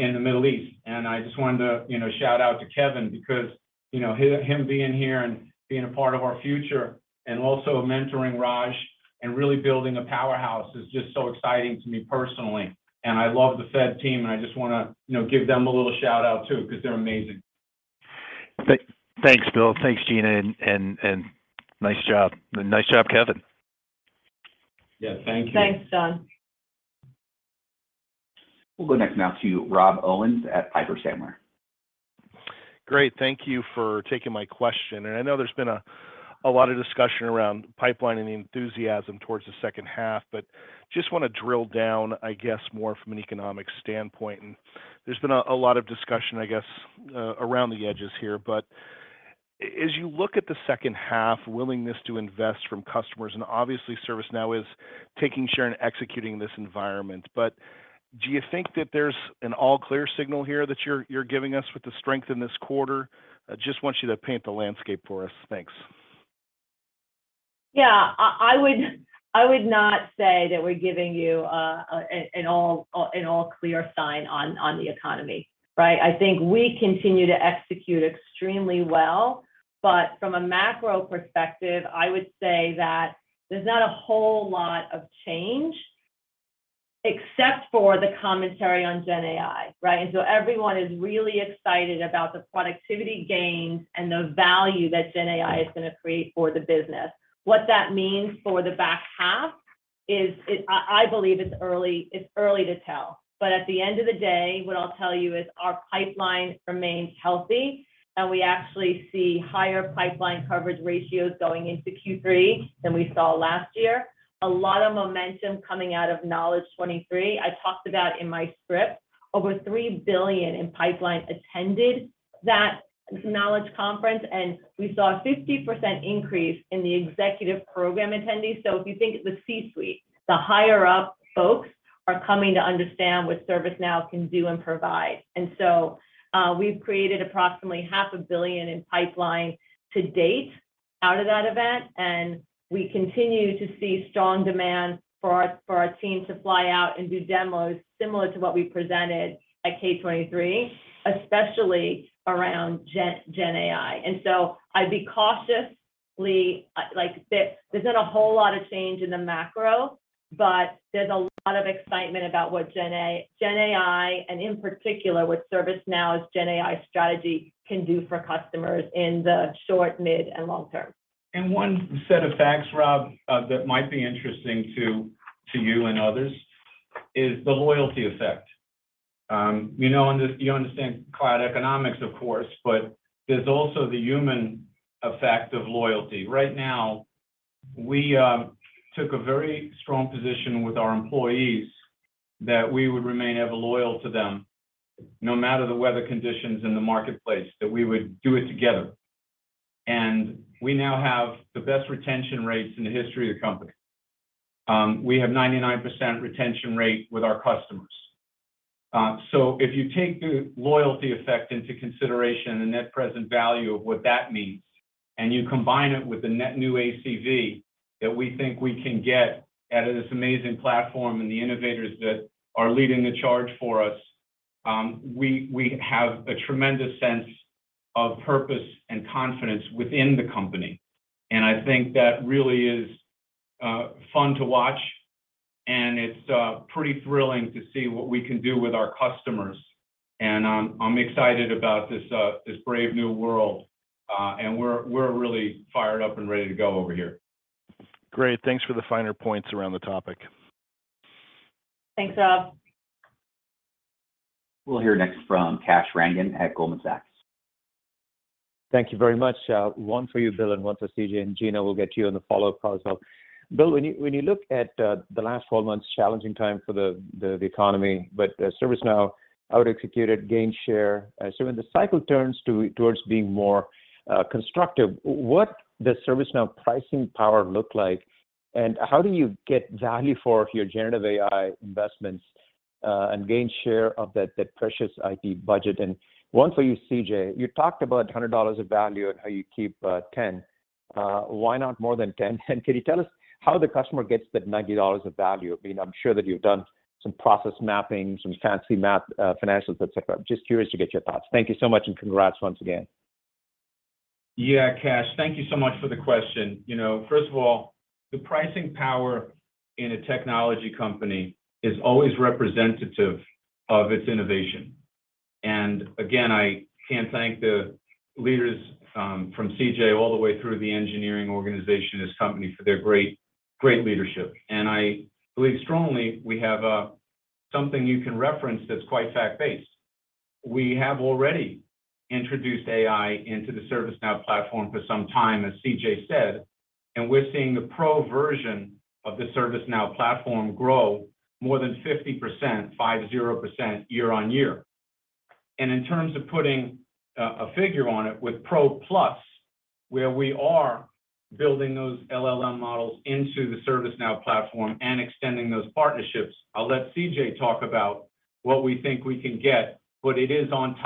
[SPEAKER 3] in the Middle East. I just wanted to, you know, shout out to Kevin because, you know, him being here and being a part of our future, and also mentoring Raj, and really building a powerhouse is just so exciting to me personally. I love the Fed team, and I just wanna, you know, give them a little shout-out, too, because they're amazing.
[SPEAKER 11] Thanks, Bill. Thanks, Gina, and nice job. Nice job, Kevin.
[SPEAKER 3] Yeah, thank you.
[SPEAKER 4] Thanks, John.
[SPEAKER 1] We'll go next now to Rob Owens at Piper Sandler.
[SPEAKER 12] Great, thank you for taking my question, and I know there's been a lot of discussion around pipeline and the enthusiasm towards the H2, but just wanna drill down, I guess, more from an economic standpoint. There's been a lot of discussion, I guess, around the edges here, but as you look at the H2, willingness to invest from customers, and obviously, ServiceNow is taking share and executing this environment. Do you think that there's an all clear signal here that you're giving us with the strength in this quarter? I just want you to paint the landscape for us. Thanks.
[SPEAKER 4] Yeah, I would not say that we're giving you an all clear sign on the economy, right? I think we continue to execute extremely well, but from a macro perspective, I would say that there's not a whole lot of change, except for the commentary on GenAI, right? Everyone is really excited about the productivity gains and the value that GenAI is going to create for the business. What that means for the back half is, I believe it's early to tell. At the end of the day, what I'll tell you is our pipeline remains healthy, and we actually see higher pipeline coverage ratios going into Q3 than we saw last year. A lot of momentum coming out of Knowledge 23. I talked about in my script, over $3 billion in pipeline attended that Knowledge conference. We saw a 50% increase in the executive program attendees. If you think of the C-suite, the higher up folks are coming to understand what ServiceNow can do and provide. We've created approximately half a billion dollars in pipeline to date out of that event. We continue to see strong demand for our team to fly out and do demos similar to what we presented at Knowledge 23, especially around GenAI. I'd be cautiously, there's not a whole lot of change in the macro, but there's a lot of excitement about what GenAI and in particular, what ServiceNow's GenAI strategy can do for customers in the short, mid, and long term.
[SPEAKER 3] One set of facts, Rob, that might be interesting to you and others, is the loyalty effect. You know, you understand cloud economics, of course, but there's also the human effect of loyalty. Right now, we took a very strong position with our employees that we would remain ever loyal to them, no matter the weather conditions in the marketplace, that we would do it together. We now have the best retention rates in the history of the company. We have 99% retention rate with our customers. If you take the loyalty effect into consideration, the net present value of what that means, and you combine it with the net new ACV that we think we can get out of this amazing platform and the innovators that are leading the charge for us, we have a tremendous sense of purpose and confidence within the company. I think that really is fun to watch, and it's pretty thrilling to see what we can do with our customers. I'm excited about this brave new world, and we're really fired up and ready to go over here.
[SPEAKER 12] Great. Thanks for the finer points around the topic.
[SPEAKER 4] Thanks, Rob.
[SPEAKER 1] We'll hear next from Kash Rangan at Goldman Sachs.
[SPEAKER 13] Thank you very much. One for you, Bill, and one for CJ, and Gina, we'll get to you in the follow-up call as well. Bill, when you, when you look at the last four months, challenging time for the economy, but ServiceNow outexecuted gain share. When the cycle turns towards being more constructive, what does ServiceNow pricing power look like, and how do you get value for your generative AI investments, and gain share of that precious IT budget? One for you, CJ. You talked about $100 of value and how you keep 10. Why not more than 10? Can you tell us how the customer gets that $90 of value? I mean, I'm sure that you've done some process mapping, some fancy math, financials, et cetera. Just curious to get your thoughts. Thank you so much, and congrats once again.
[SPEAKER 3] Yeah, Kash, thank you so much for the question. You know, first of all, the pricing power in a technology company is always representative of its innovation. I can't thank the leaders, from CJ all the way through the engineering organization, this company, for their great leadership. I believe strongly we have a something you can reference that's quite fact-based. We have already introduced AI into the Now Platform for some time, as CJ said, and we're seeing the Pro version of the Now Platform grow more than 50%, 50%, year on year. In terms of putting a figure on it, with Pro Plus, where we are building those LLM models into the ServiceNow platform and extending those partnerships, I'll let CJ talk about what we think we can get, but it is on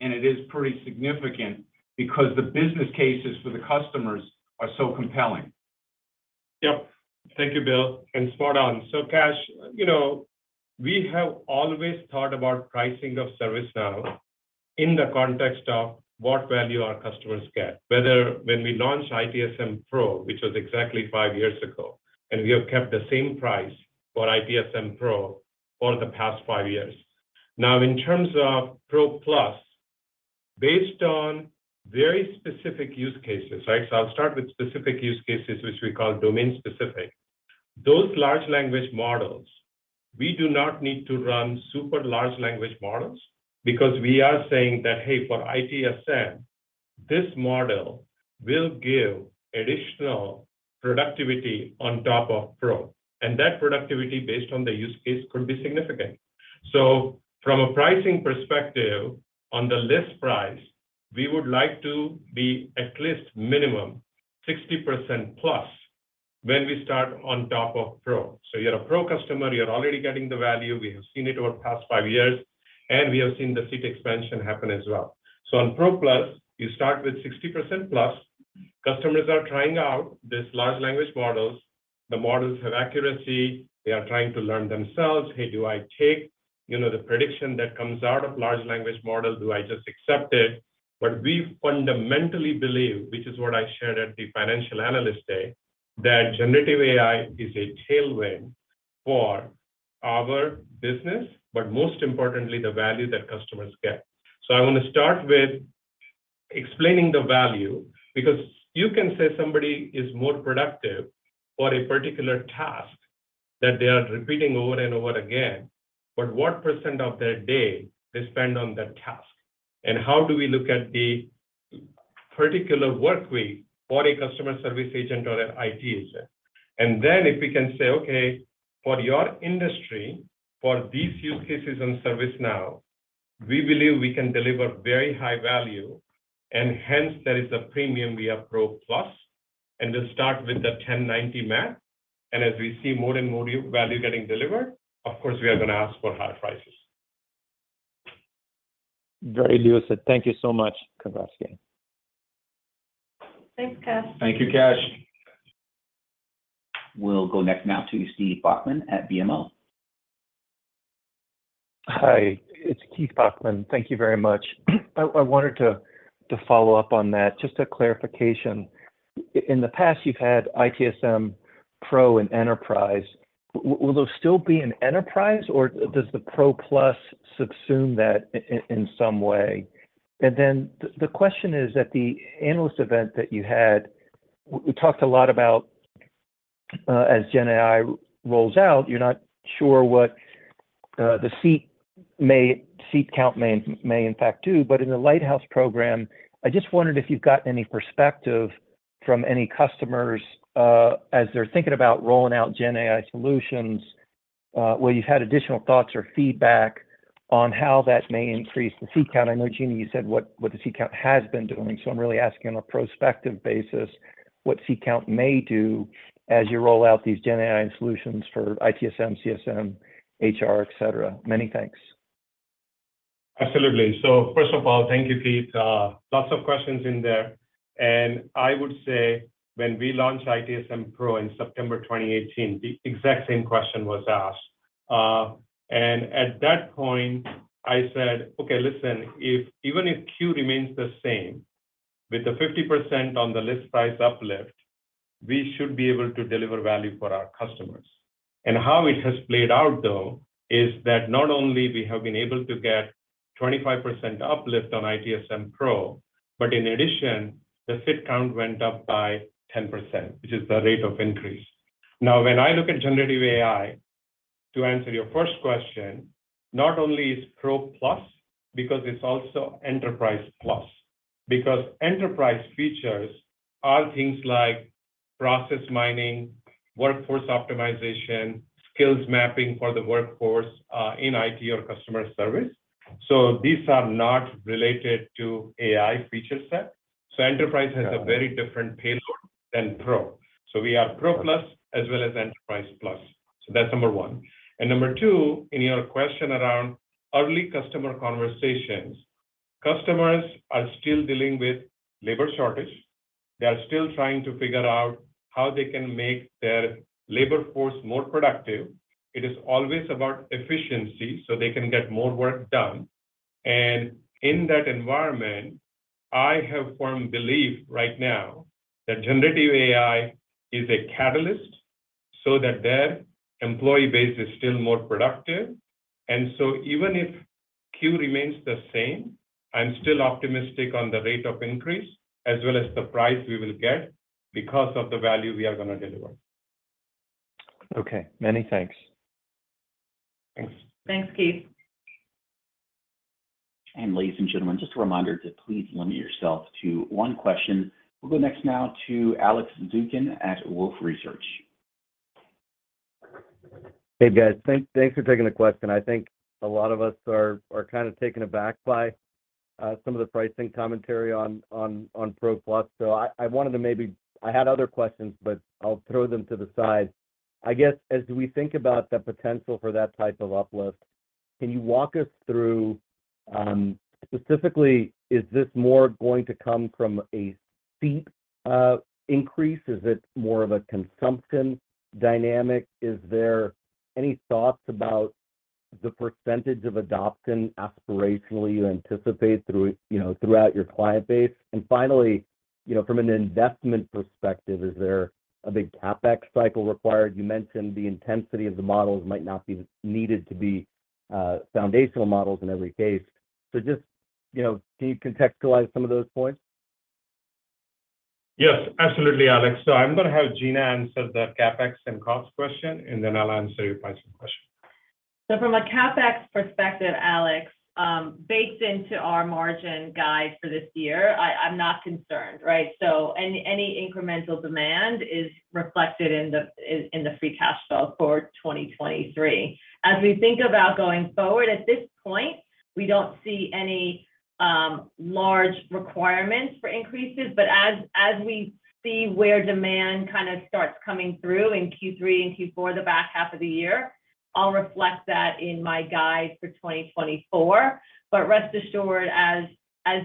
[SPEAKER 3] top, and it is pretty significant, because the business cases for the customers are so compelling.
[SPEAKER 6] Yep. Thank you, Bill, spot on. Kash, you know, we have always thought about pricing of ServiceNow in the context of what value our customers get. Whether when we launched ITSM Pro, which was exactly five years ago, we have kept the same price for ITSM Pro for the past five years. Now, in terms of Pro Plus, based on very specific use cases, right? I'll start with specific use cases, which we call domain-specific. Those large language models, we do not need to run super large language models because we are saying that, "Hey, for ITSM, this model will give additional productivity on top of Pro." That productivity, based on the use case, could be significant. From a pricing perspective, on the list price, we would like to be at least minimum 60% plus when we start on top of Pro. You're a Pro customer, you're already getting the value. We have seen it over the past five years, and we have seen the seat expansion happen as well. On Pro Plus, you start with 60% plus. Customers are trying out these large language models. The models have accuracy. They are trying to learn themselves. "Hey, do I take, you know, the prediction that comes out of large language model? Do I just accept it?" We fundamentally believe, which is what I shared at the Financial Analyst Day, that generative AI is a tailwind for our business, but most importantly, the value that customers get. I want to start with explaining the value, because you can say somebody is more productive for a particular task that they are repeating over and over again, but what % of their day they spend on that task? How do we look at the particular work week for a customer service agent or an IT agent? Then, if we can say, "Okay, for your industry, for these use cases on ServiceNow, we believe we can deliver very high value, and hence there is a premium, we have Pro Plus, and just start with the 1090 map." As we see more and more value getting delivered, of course, we are going to ask for higher prices.
[SPEAKER 13] Very lucid. Thank you so much. Congrats again.
[SPEAKER 14] Thanks, Kash.
[SPEAKER 3] Thank you, Kash.
[SPEAKER 1] We'll go next now to Keith Bachman at BMO.
[SPEAKER 15] Hi, it's Keith Bachman. Thank you very much. I wanted to follow up on that. Just a clarification. In the past, you've had ITSM Pro and Enterprise. Will there still be an Enterprise, or does the Pro Plus subsume that in some way? The question is, at the analyst event that you had, we talked a lot about, as GenAI rolls out, you're not sure what the seat count may in fact do. In the Lighthouse program, I just wondered if you've gotten any perspective from any customers, as they're thinking about rolling out GenAI solutions, where you've had additional thoughts or feedback on how that may increase the seat count. I know, Gina, you said, what the seat count has been doing, so I'm really asking on a prospective basis, what seat count may do as you roll out these GenAI solutions for ITSM, CSM, HR, et cetera. Many thanks.
[SPEAKER 6] Absolutely. First of all, thank you, Keith. Lots of questions in there. I would say when we launched ITSM Pro in September 2018, the exact same question was asked. At that point, I said, "Okay, listen, if even if Q remains the same, with the 50% on the list price uplift, we should be able to deliver value for our customers." How it has played out, though, is that not only we have been able to get 25% uplift on ITSM Pro, but in addition, the seat count went up by 10%, which is the rate of increase. When I look at generative AI, to answer your first question, not only is Pro Plus, because it's also Enterprise Plus. Enterprise features are things like process mining, workforce optimization, skills mapping for the workforce in IT or customer service. These are not related to AI feature set. Enterprise has a very different payload than Pro. We have Pro Plus as well as Enterprise Plus. That's number one. Number two, in your question around early customer conversations, customers are still dealing with labor shortage. They are still trying to figure out how they can make their labor force more productive. It is always about efficiency, so they can get more work done. In that environment, I have firm belief right now that generative AI is a catalyst, so that their employee base is still more productive. even if Q remains the same, I'm still optimistic on the rate of increase, as well as the price we will get because of the value we are going to deliver.
[SPEAKER 16] Okay, many thanks.
[SPEAKER 6] Thanks.
[SPEAKER 4] Thanks, Keith.
[SPEAKER 1] Ladies and gentlemen, just a reminder to please limit yourself to one question. We'll go next now to Alex Zukin at Wolfe Research.
[SPEAKER 14] Hey, guys. Thanks for taking the question. I think a lot of us are kind of taken aback by some of the pricing commentary on Pro Plus. I wanted to maybe... I had other questions, but I'll throw them to the side. I guess, as we think about the potential for that type of uplift, can you walk us through, specifically, is this more going to come from a steep increase? Is it more of a consumption dynamic? Is there any thoughts about the % of adoption aspirationally you anticipate through, you know, throughout your client base? Finally, you know, from an investment perspective, is there a big CapEx cycle required? You mentioned the intensity of the models might not be needed to be foundational models in every case. Just, you know, can you contextualize some of those points?
[SPEAKER 6] Yes, absolutely, Alex. I'm going to have Gina answer the CapEx and cost question, and then I'll answer your pricing question.
[SPEAKER 4] From a CapEx perspective, Alex, baked into our margin guide for this year, I'm not concerned, right? Any incremental demand is reflected in the, in the free cash flow for 2023. As we think about going forward, at this point, we don't see any large requirements for increases, but as we see where demand kind of starts coming through in Q3 and Q4, the back half of the year, I'll reflect that in my guide for 2024. Rest assured, as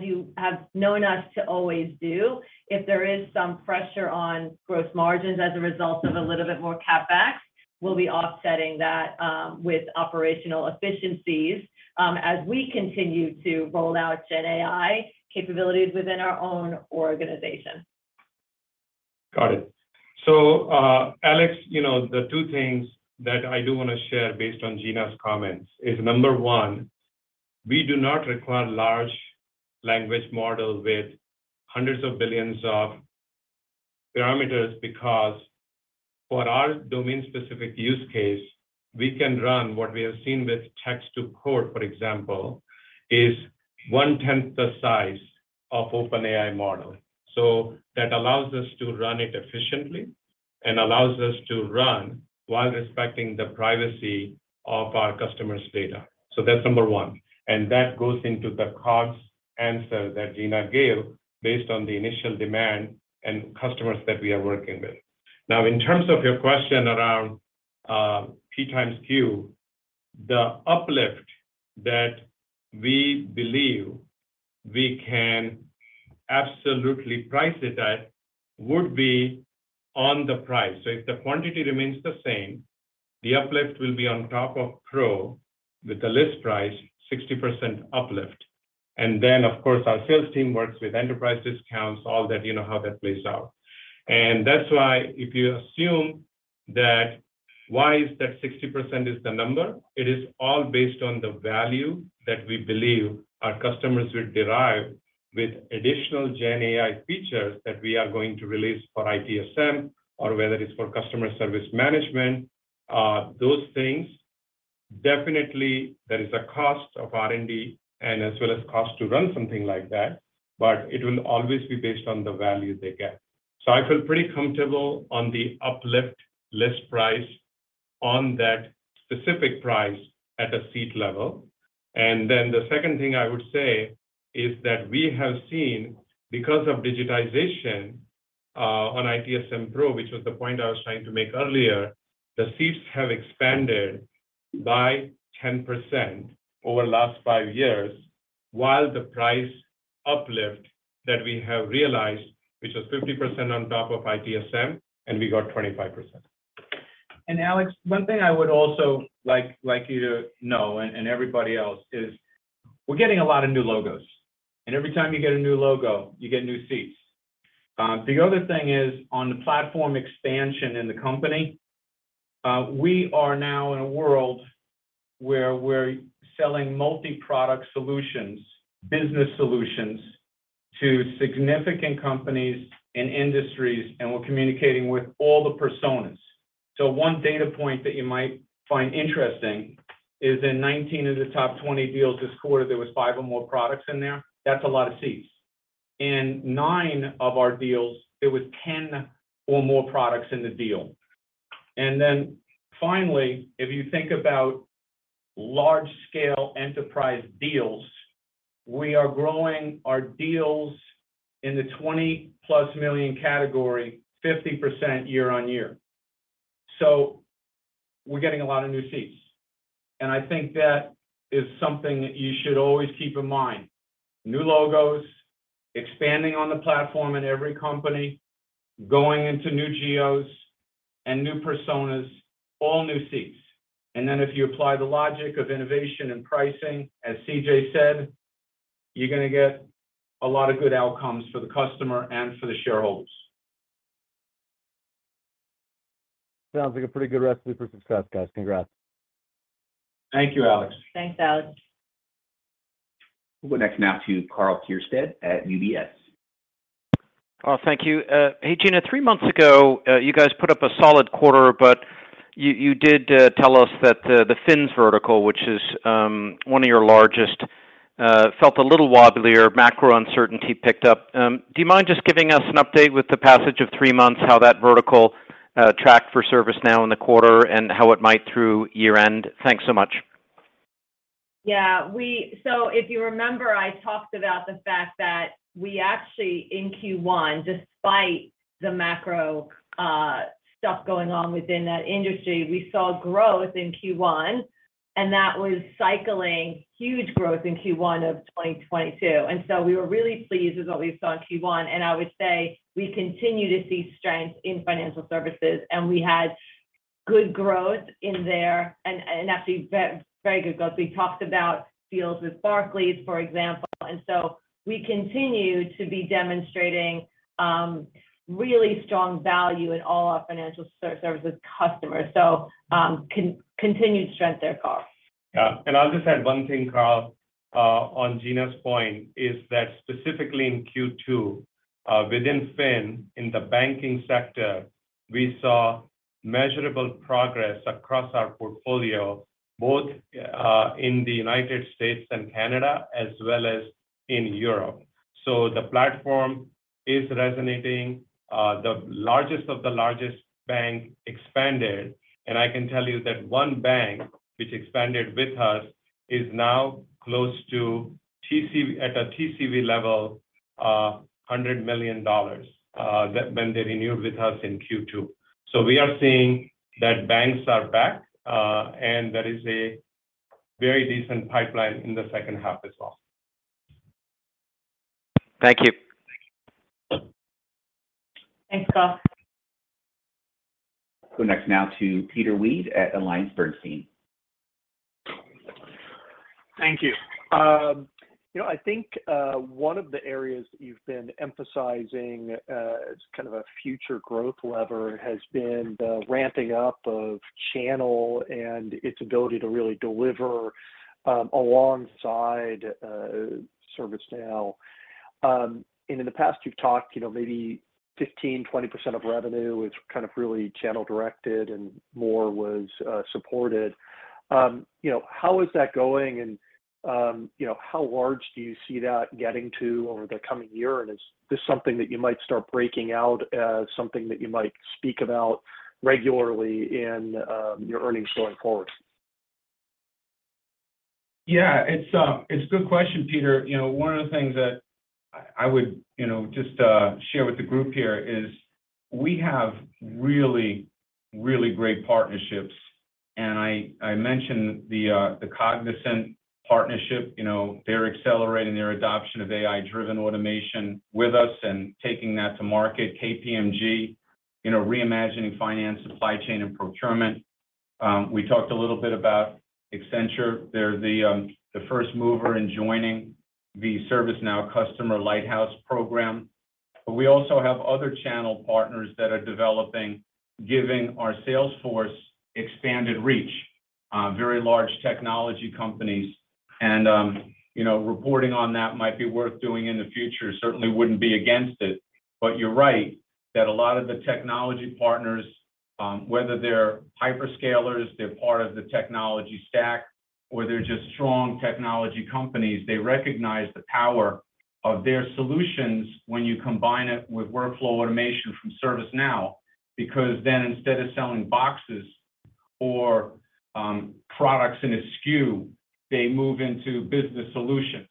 [SPEAKER 4] you have known us to always do, if there is some pressure on gross margins as a result of a little bit more CapEx, we'll be offsetting that with operational efficiencies as we continue to roll out GenAI capabilities within our own organization.
[SPEAKER 6] Got it. Alex, you know, the two things that I do want to share based on Gina's comments is, number one, we do not require large language models with hundreds of billions of parameters, because for our domain-specific use case, we can run what we have seen with text to code, for example, is one-tenth the size of OpenAI model. That allows us to run it efficiently and allows us to run while respecting the privacy of our customers' data. That's number one, and that goes into the cost answer that Gina gave based on the initial demand and customers that we are working with. Now, in terms of your question around P times Q, the uplift that we believe we can absolutely price it at would be on the price. If the quantity remains the same, the uplift will be on top of Pro with the list price, 60% uplift. Then, of course, our sales team works with enterprise discounts, all that, you know how that plays out. That's why if you assume that why is that 60% is the number, it is all based on the value that we believe our customers will derive with additional GenAI features that we are going to release for ITSM or whether it's for Customer Service Management. Those things, definitely there is a cost of R&D and as well as cost to run something like that, but it will always be based on the value they get. I feel pretty comfortable on the uplift list price on that specific price at a seat level. The second thing I would say is that we have seen, because of digitization, on ITSM Pro, which was the point I was trying to make earlier, the seats have expanded by 10% over the last 5 years, while the price uplift that we have realized, which was 50% on top of ITSM, and we got 25%.
[SPEAKER 3] Alex Zukin, one thing I would also like you to know, and everybody else, is we're getting a lot of new logos, and every time you get a new logo, you get new seats. The other thing is on the platform expansion in the company, we are now in a world where we're selling multi-product solutions, business solutions, to significant companies and industries, and we're communicating with all the personas. One data point that you might find interesting is in 19 of the top 20 deals this quarter, there was 5 or more products in there. That's a lot of seats. In 9 of our deals, there was 10 or more products in the deal. Then finally, if you think about large-scale enterprise deals, we are growing our deals in the $20+ million category, 50% year-on-year. We're getting a lot of new seats, and I think that is something that you should always keep in mind. New logos, expanding on the platform in every company, going into new geos and new personas, all new seats. Then if you apply the logic of innovation and pricing, as CJ said, you're gonna get a lot of good outcomes for the customer and for the shareholders.
[SPEAKER 17] Sounds like a pretty good recipe for success, guys. Congrats.
[SPEAKER 3] Thank you, Alex.
[SPEAKER 4] Thanks, Alex.
[SPEAKER 1] We'll go next now to Karl Keirstead at UBS.
[SPEAKER 18] Thank you. Hey, Gina, 3 months ago, you guys put up a solid quarter, but you did tell us that the Fins vertical, which is one of your largest, felt a little wobbly, or macro uncertainty picked up. Do you mind just giving us an update with the passage of 3 months, how that vertical tracked for ServiceNow in the quarter and how it might through year-end? Thanks so much.
[SPEAKER 4] Yeah, so if you remember, I talked about the fact that we actually, in Q1, despite the macro stuff going on within that industry, we saw growth in Q1, and that was cycling huge growth in Q1 of 2022. We were really pleased with what we saw in Q1, and I would say we continue to see strength in financial services, and we had good growth in there, and actually very good growth. We talked about deals with Barclays, for example, and so we continue to be demonstrating really strong value in all our financial services customers. Continued strength there, Karl.
[SPEAKER 6] Yeah, I'll just add 1 thing, Karl, on Gina’s point, is that specifically in Q2, within Fin, in the banking sector, we saw measurable progress across our portfolio, both in the United States and Canada, as well as in Europe. The platform is resonating. The largest of the largest bank expanded, and I can tell you that 1 bank, which expanded with us, is now close to at a TCV level, $100 million, that when they renewed with us in Q2. We are seeing that banks are back, and there is a very decent pipeline in the H2 as well.
[SPEAKER 18] Thank you.
[SPEAKER 4] Thanks, Karl.
[SPEAKER 1] Go next now to Peter Weed at AllianceBernstein.
[SPEAKER 19] Thank you. You know, I think, one of the areas that you've been emphasizing, as kind of a future growth lever has been the ramping up of channel and its ability to really deliver, alongside ServiceNow. In the past, you've talked, you know, maybe 15%-20% of revenue is kind of really channel-directed, and more was supported. You know, how is that going, and, you know, how large do you see that getting to over the coming year? Is this something that you might start breaking out, something that you might speak about regularly in your earnings going forward?
[SPEAKER 3] Yeah, it's a good question, Peter. You know, one of the things that I would, you know, just share with the group here is we have really, really great partnerships, and I mentioned the Cognizant partnership. You know, they're accelerating their adoption of AI-driven automation with us and taking that to market. KPMG, you know, reimagining finance, supply chain, and procurement. We talked a little bit about Accenture. They're the first mover in joining the ServiceNow Lighthouse Customer Program. We also have other channel partners that are developing, giving our sales force expanded reach, very large technology companies. You know, reporting on that might be worth doing in the future. Certainly wouldn't be against it. You're right, that a lot of the technology partners, whether they're hyperscalers, they're part of the technology stack, or they're just strong technology companies, they recognize the power of their solutions when you combine it with workflow automation from ServiceNow. Then, instead of selling boxes or products in a SKU, they move into business solutions,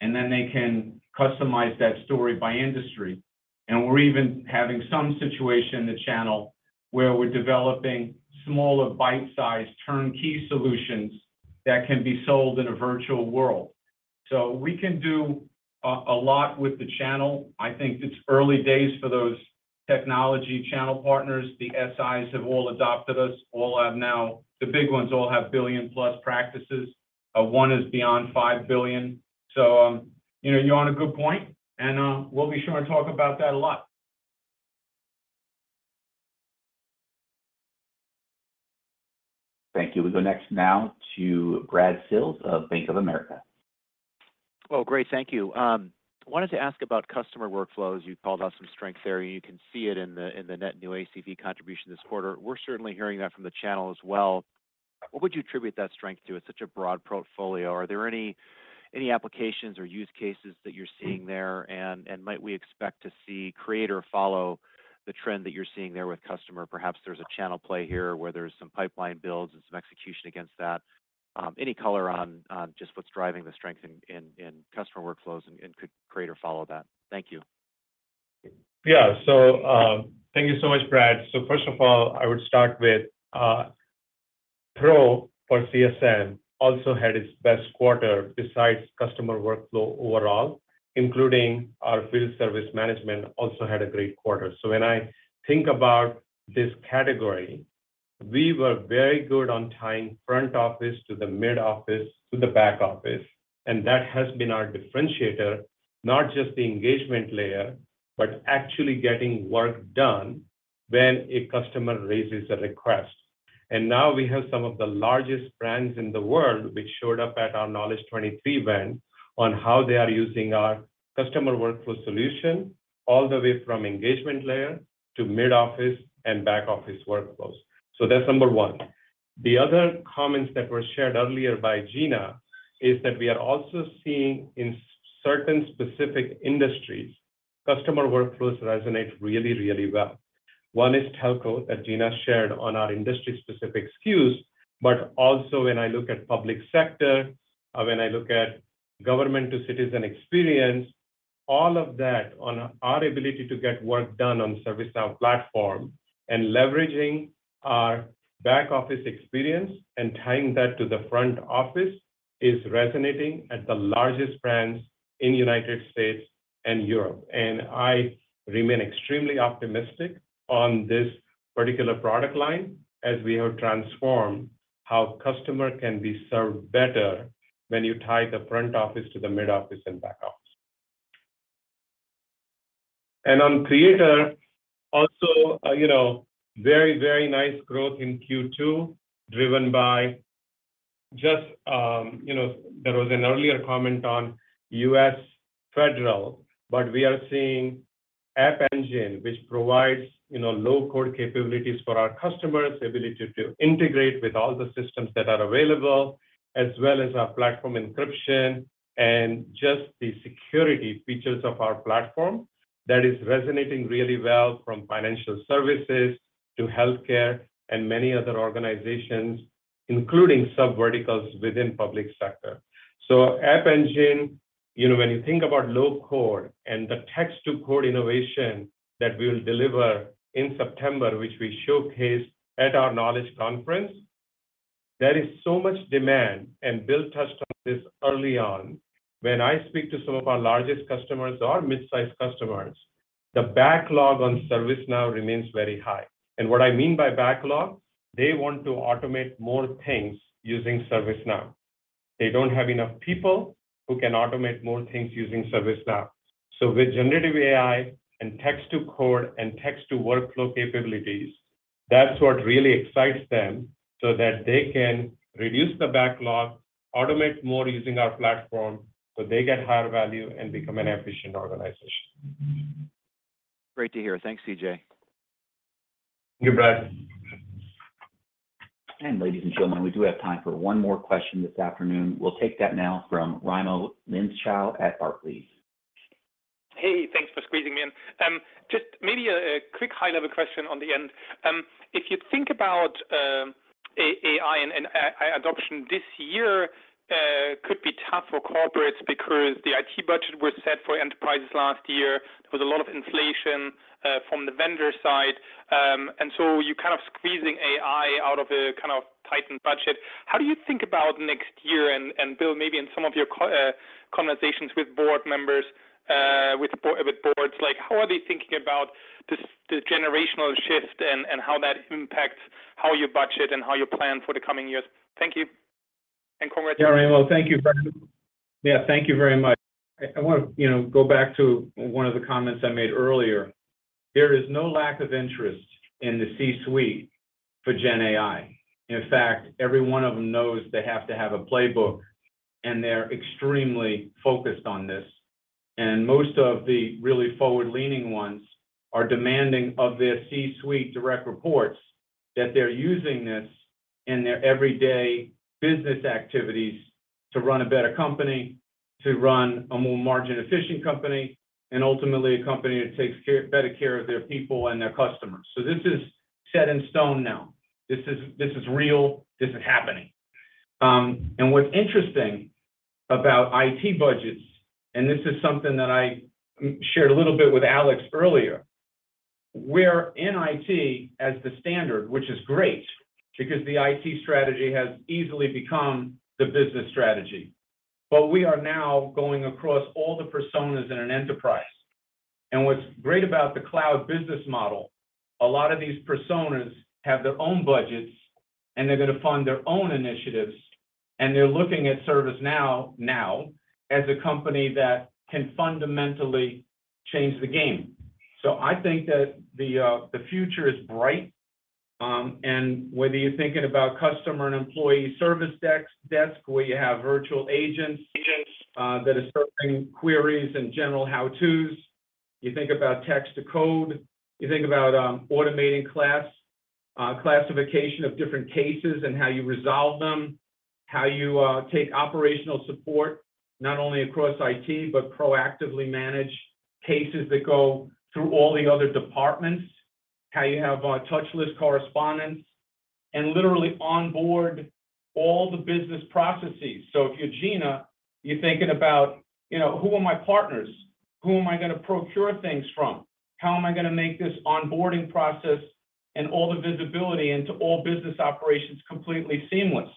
[SPEAKER 3] and then they can customize that story by industry. We're even having some situation in the channel where we're developing smaller, bite-sized, turnkey solutions that can be sold in a virtual world. We can do a lot with the channel. It's early days for those technology channel partners. The SIs have all adopted us. All have now. The big ones all have billion-plus practices. One is beyond $5 billion. You know, you're on a good point, and, we'll be sure to talk about that a lot.
[SPEAKER 1] Thank you. We go next now to Brad Sills of Bank of America.
[SPEAKER 20] Well, great, thank you. Wanted to ask about customer workflows. You called out some strength there, you can see it in the net new ACV contribution this quarter. We're certainly hearing that from the channel as well. What would you attribute that strength to? It's such a broad portfolio. Are there any applications or use cases that you're seeing there, and might we expect to see create or follow the trend that you're seeing there with customer? Perhaps there's a channel play here, where there's some pipeline builds and some execution against that. Any color on just what's driving the strength in customer workflows, and could create or follow that? Thank you.
[SPEAKER 6] Yeah. Thank you so much, Brad. First of all, I would start with Pro for CSM also had its best quarter besides customer workflow overall, including our field service management, also had a great quarter. When I think about this category, we were very good on tying front office to the mid office, to the back office, and that has been our differentiator, not just the engagement layer, but actually getting work done when a customer raises a request. Now we have some of the largest brands in the world, which showed up at our Knowledge 23 event, on how they are using our customer workflow solution, all the way from engagement layer to mid office and back office workflows. That's number one. The other comments that were shared earlier by Gina is that we are also seeing in certain specific industries, customer workflows resonate really, really well. One is telco, that Gina shared on our industry-specific SKUs, but also when I look at public sector, or when I look at government to citizen experience, all of that on our ability to get work done on ServiceNow Platform and leveraging our back office experience and tying that to the front office, is resonating at the largest brands in United States and Europe. I remain extremely optimistic on this particular product line as we have transformed how customer can be served better when you tie the front office to the mid office and back office. On Creator also, you know, very, very nice growth in Q2, driven by just. You know, there was an earlier comment on U.S. Federal, we are seeing App Engine, which provides, you know, low code capabilities for our customers, ability to integrate with all the systems that are available, as well as our platform encryption and just the security features of our platform. That is resonating really well from financial services to healthcare and many other organizations, including subverticals within public sector. App Engine, you know, when you think about low code and the text to code innovation that we will deliver in September, which we showcased at our Knowledge Conference, there is so much demand, and Bill touched on this early on. When I speak to some of our largest customers or mid-sized customers, the backlog on ServiceNow remains very high. What I mean by backlog, they want to automate more things using ServiceNow. They don't have enough people who can automate more things using ServiceNow. With generative AI and text to code and text to workflow capabilities, that's what really excites them, so that they can reduce the backlog, automate more using our platform, so they get higher value and become an efficient organization.
[SPEAKER 3] Great to hear. Thanks, CJ.
[SPEAKER 6] Thank you, Brad.
[SPEAKER 1] Ladies and gentlemen, we do have time for one more question this afternoon. We'll take that now from Raimo Lenschow at Barclays.
[SPEAKER 21] Hey, thanks for squeezing me in. Just maybe a quick high-level question on the end. If you think about AI and AI adoption this year could be tough for corporates because the IT budget was set for enterprises last year. There was a lot of inflation from the vendor side. So you're kind of squeezing AI out of a kind of tightened budget. How do you think about next year? Bill, maybe in some of your conversations with board members, with boards, like, how are they thinking about this generational shift and how that impacts how you budget and how you plan for the coming years? Thank you, and congratulations.
[SPEAKER 3] Yeah, Raimo, thank you very much. I wanna, you know, go back to one of the comments I made earlier. There is no lack of interest in the C-suite for GenAI. In fact, every one of them knows they have to have a playbook, and they're extremely focused on this. Most of the really forward-leaning ones are demanding of their C-suite direct reports, that they're using this in their everyday business activities to run a better company, to run a more margin-efficient company, and ultimately, a company that takes better care of their people and their customers. This is set in stone now. This is real, this is happening. What's interesting about IT budgets, this is something that I shared a little bit with Alex earlier, we're in IT as the standard, which is great, because the IT strategy has easily become the business strategy. We are now going across all the personas in an enterprise. What's great about the cloud business model, a lot of these personas have their own budgets, and they're going to fund their own initiatives, and they're looking at ServiceNow now, as a company that can fundamentally change the game. I think that the future is bright. Whether you're thinking about customer and employee service desk, where you have virtual agents that are circling queries and general how-tos. You think about text to code, you think about automating classification of different cases and how you resolve them, how you take operational support, not only across IT, but proactively manage cases that go through all the other departments, how you have a touchless correspondence, and literally onboard all the business processes. If you're Gina, you're thinking about, you know, "Who are my partners? Who am I gonna procure things from? How am I gonna make this onboarding process and all the visibility into all business operations completely seamless?"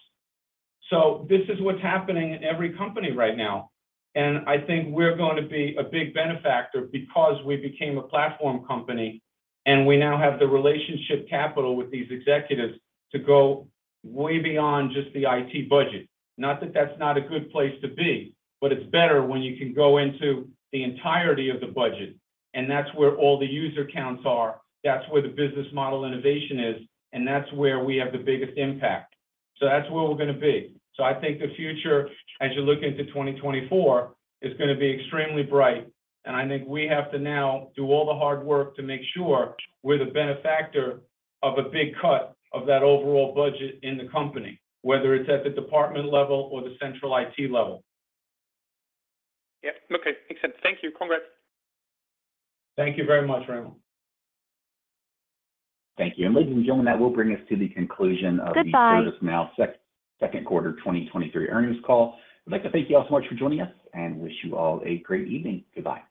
[SPEAKER 3] This is what's happening in every company right now, and I think we're going to be a big benefactor because we became a platform company, and we now have the relationship capital with these executives to go way beyond just the IT budget. Not that that's not a good place to be, but it's better when you can go into the entirety of the budget, and that's where all the user counts are, that's where the business model innovation is, and that's where we have the biggest impact. That's where we're gonna be. I think the future, as you look into 2024, is gonna be extremely bright. I think we have to now do all the hard work to make sure we're the benefactor of a big cut of that overall budget in the company, whether it's at the department level or the central IT level.
[SPEAKER 21] Yeah. Okay, makes sense. Thank you. Congrats.
[SPEAKER 3] Thank you very much, Raimo.
[SPEAKER 1] Thank you. ladies and gentlemen, that will bring us to the conclusion.
[SPEAKER 6] Goodbye...
[SPEAKER 1] ServiceNow Q2 2023 earnings call. I'd like to thank you all so much for joining us and wish you all a great evening. Goodbye.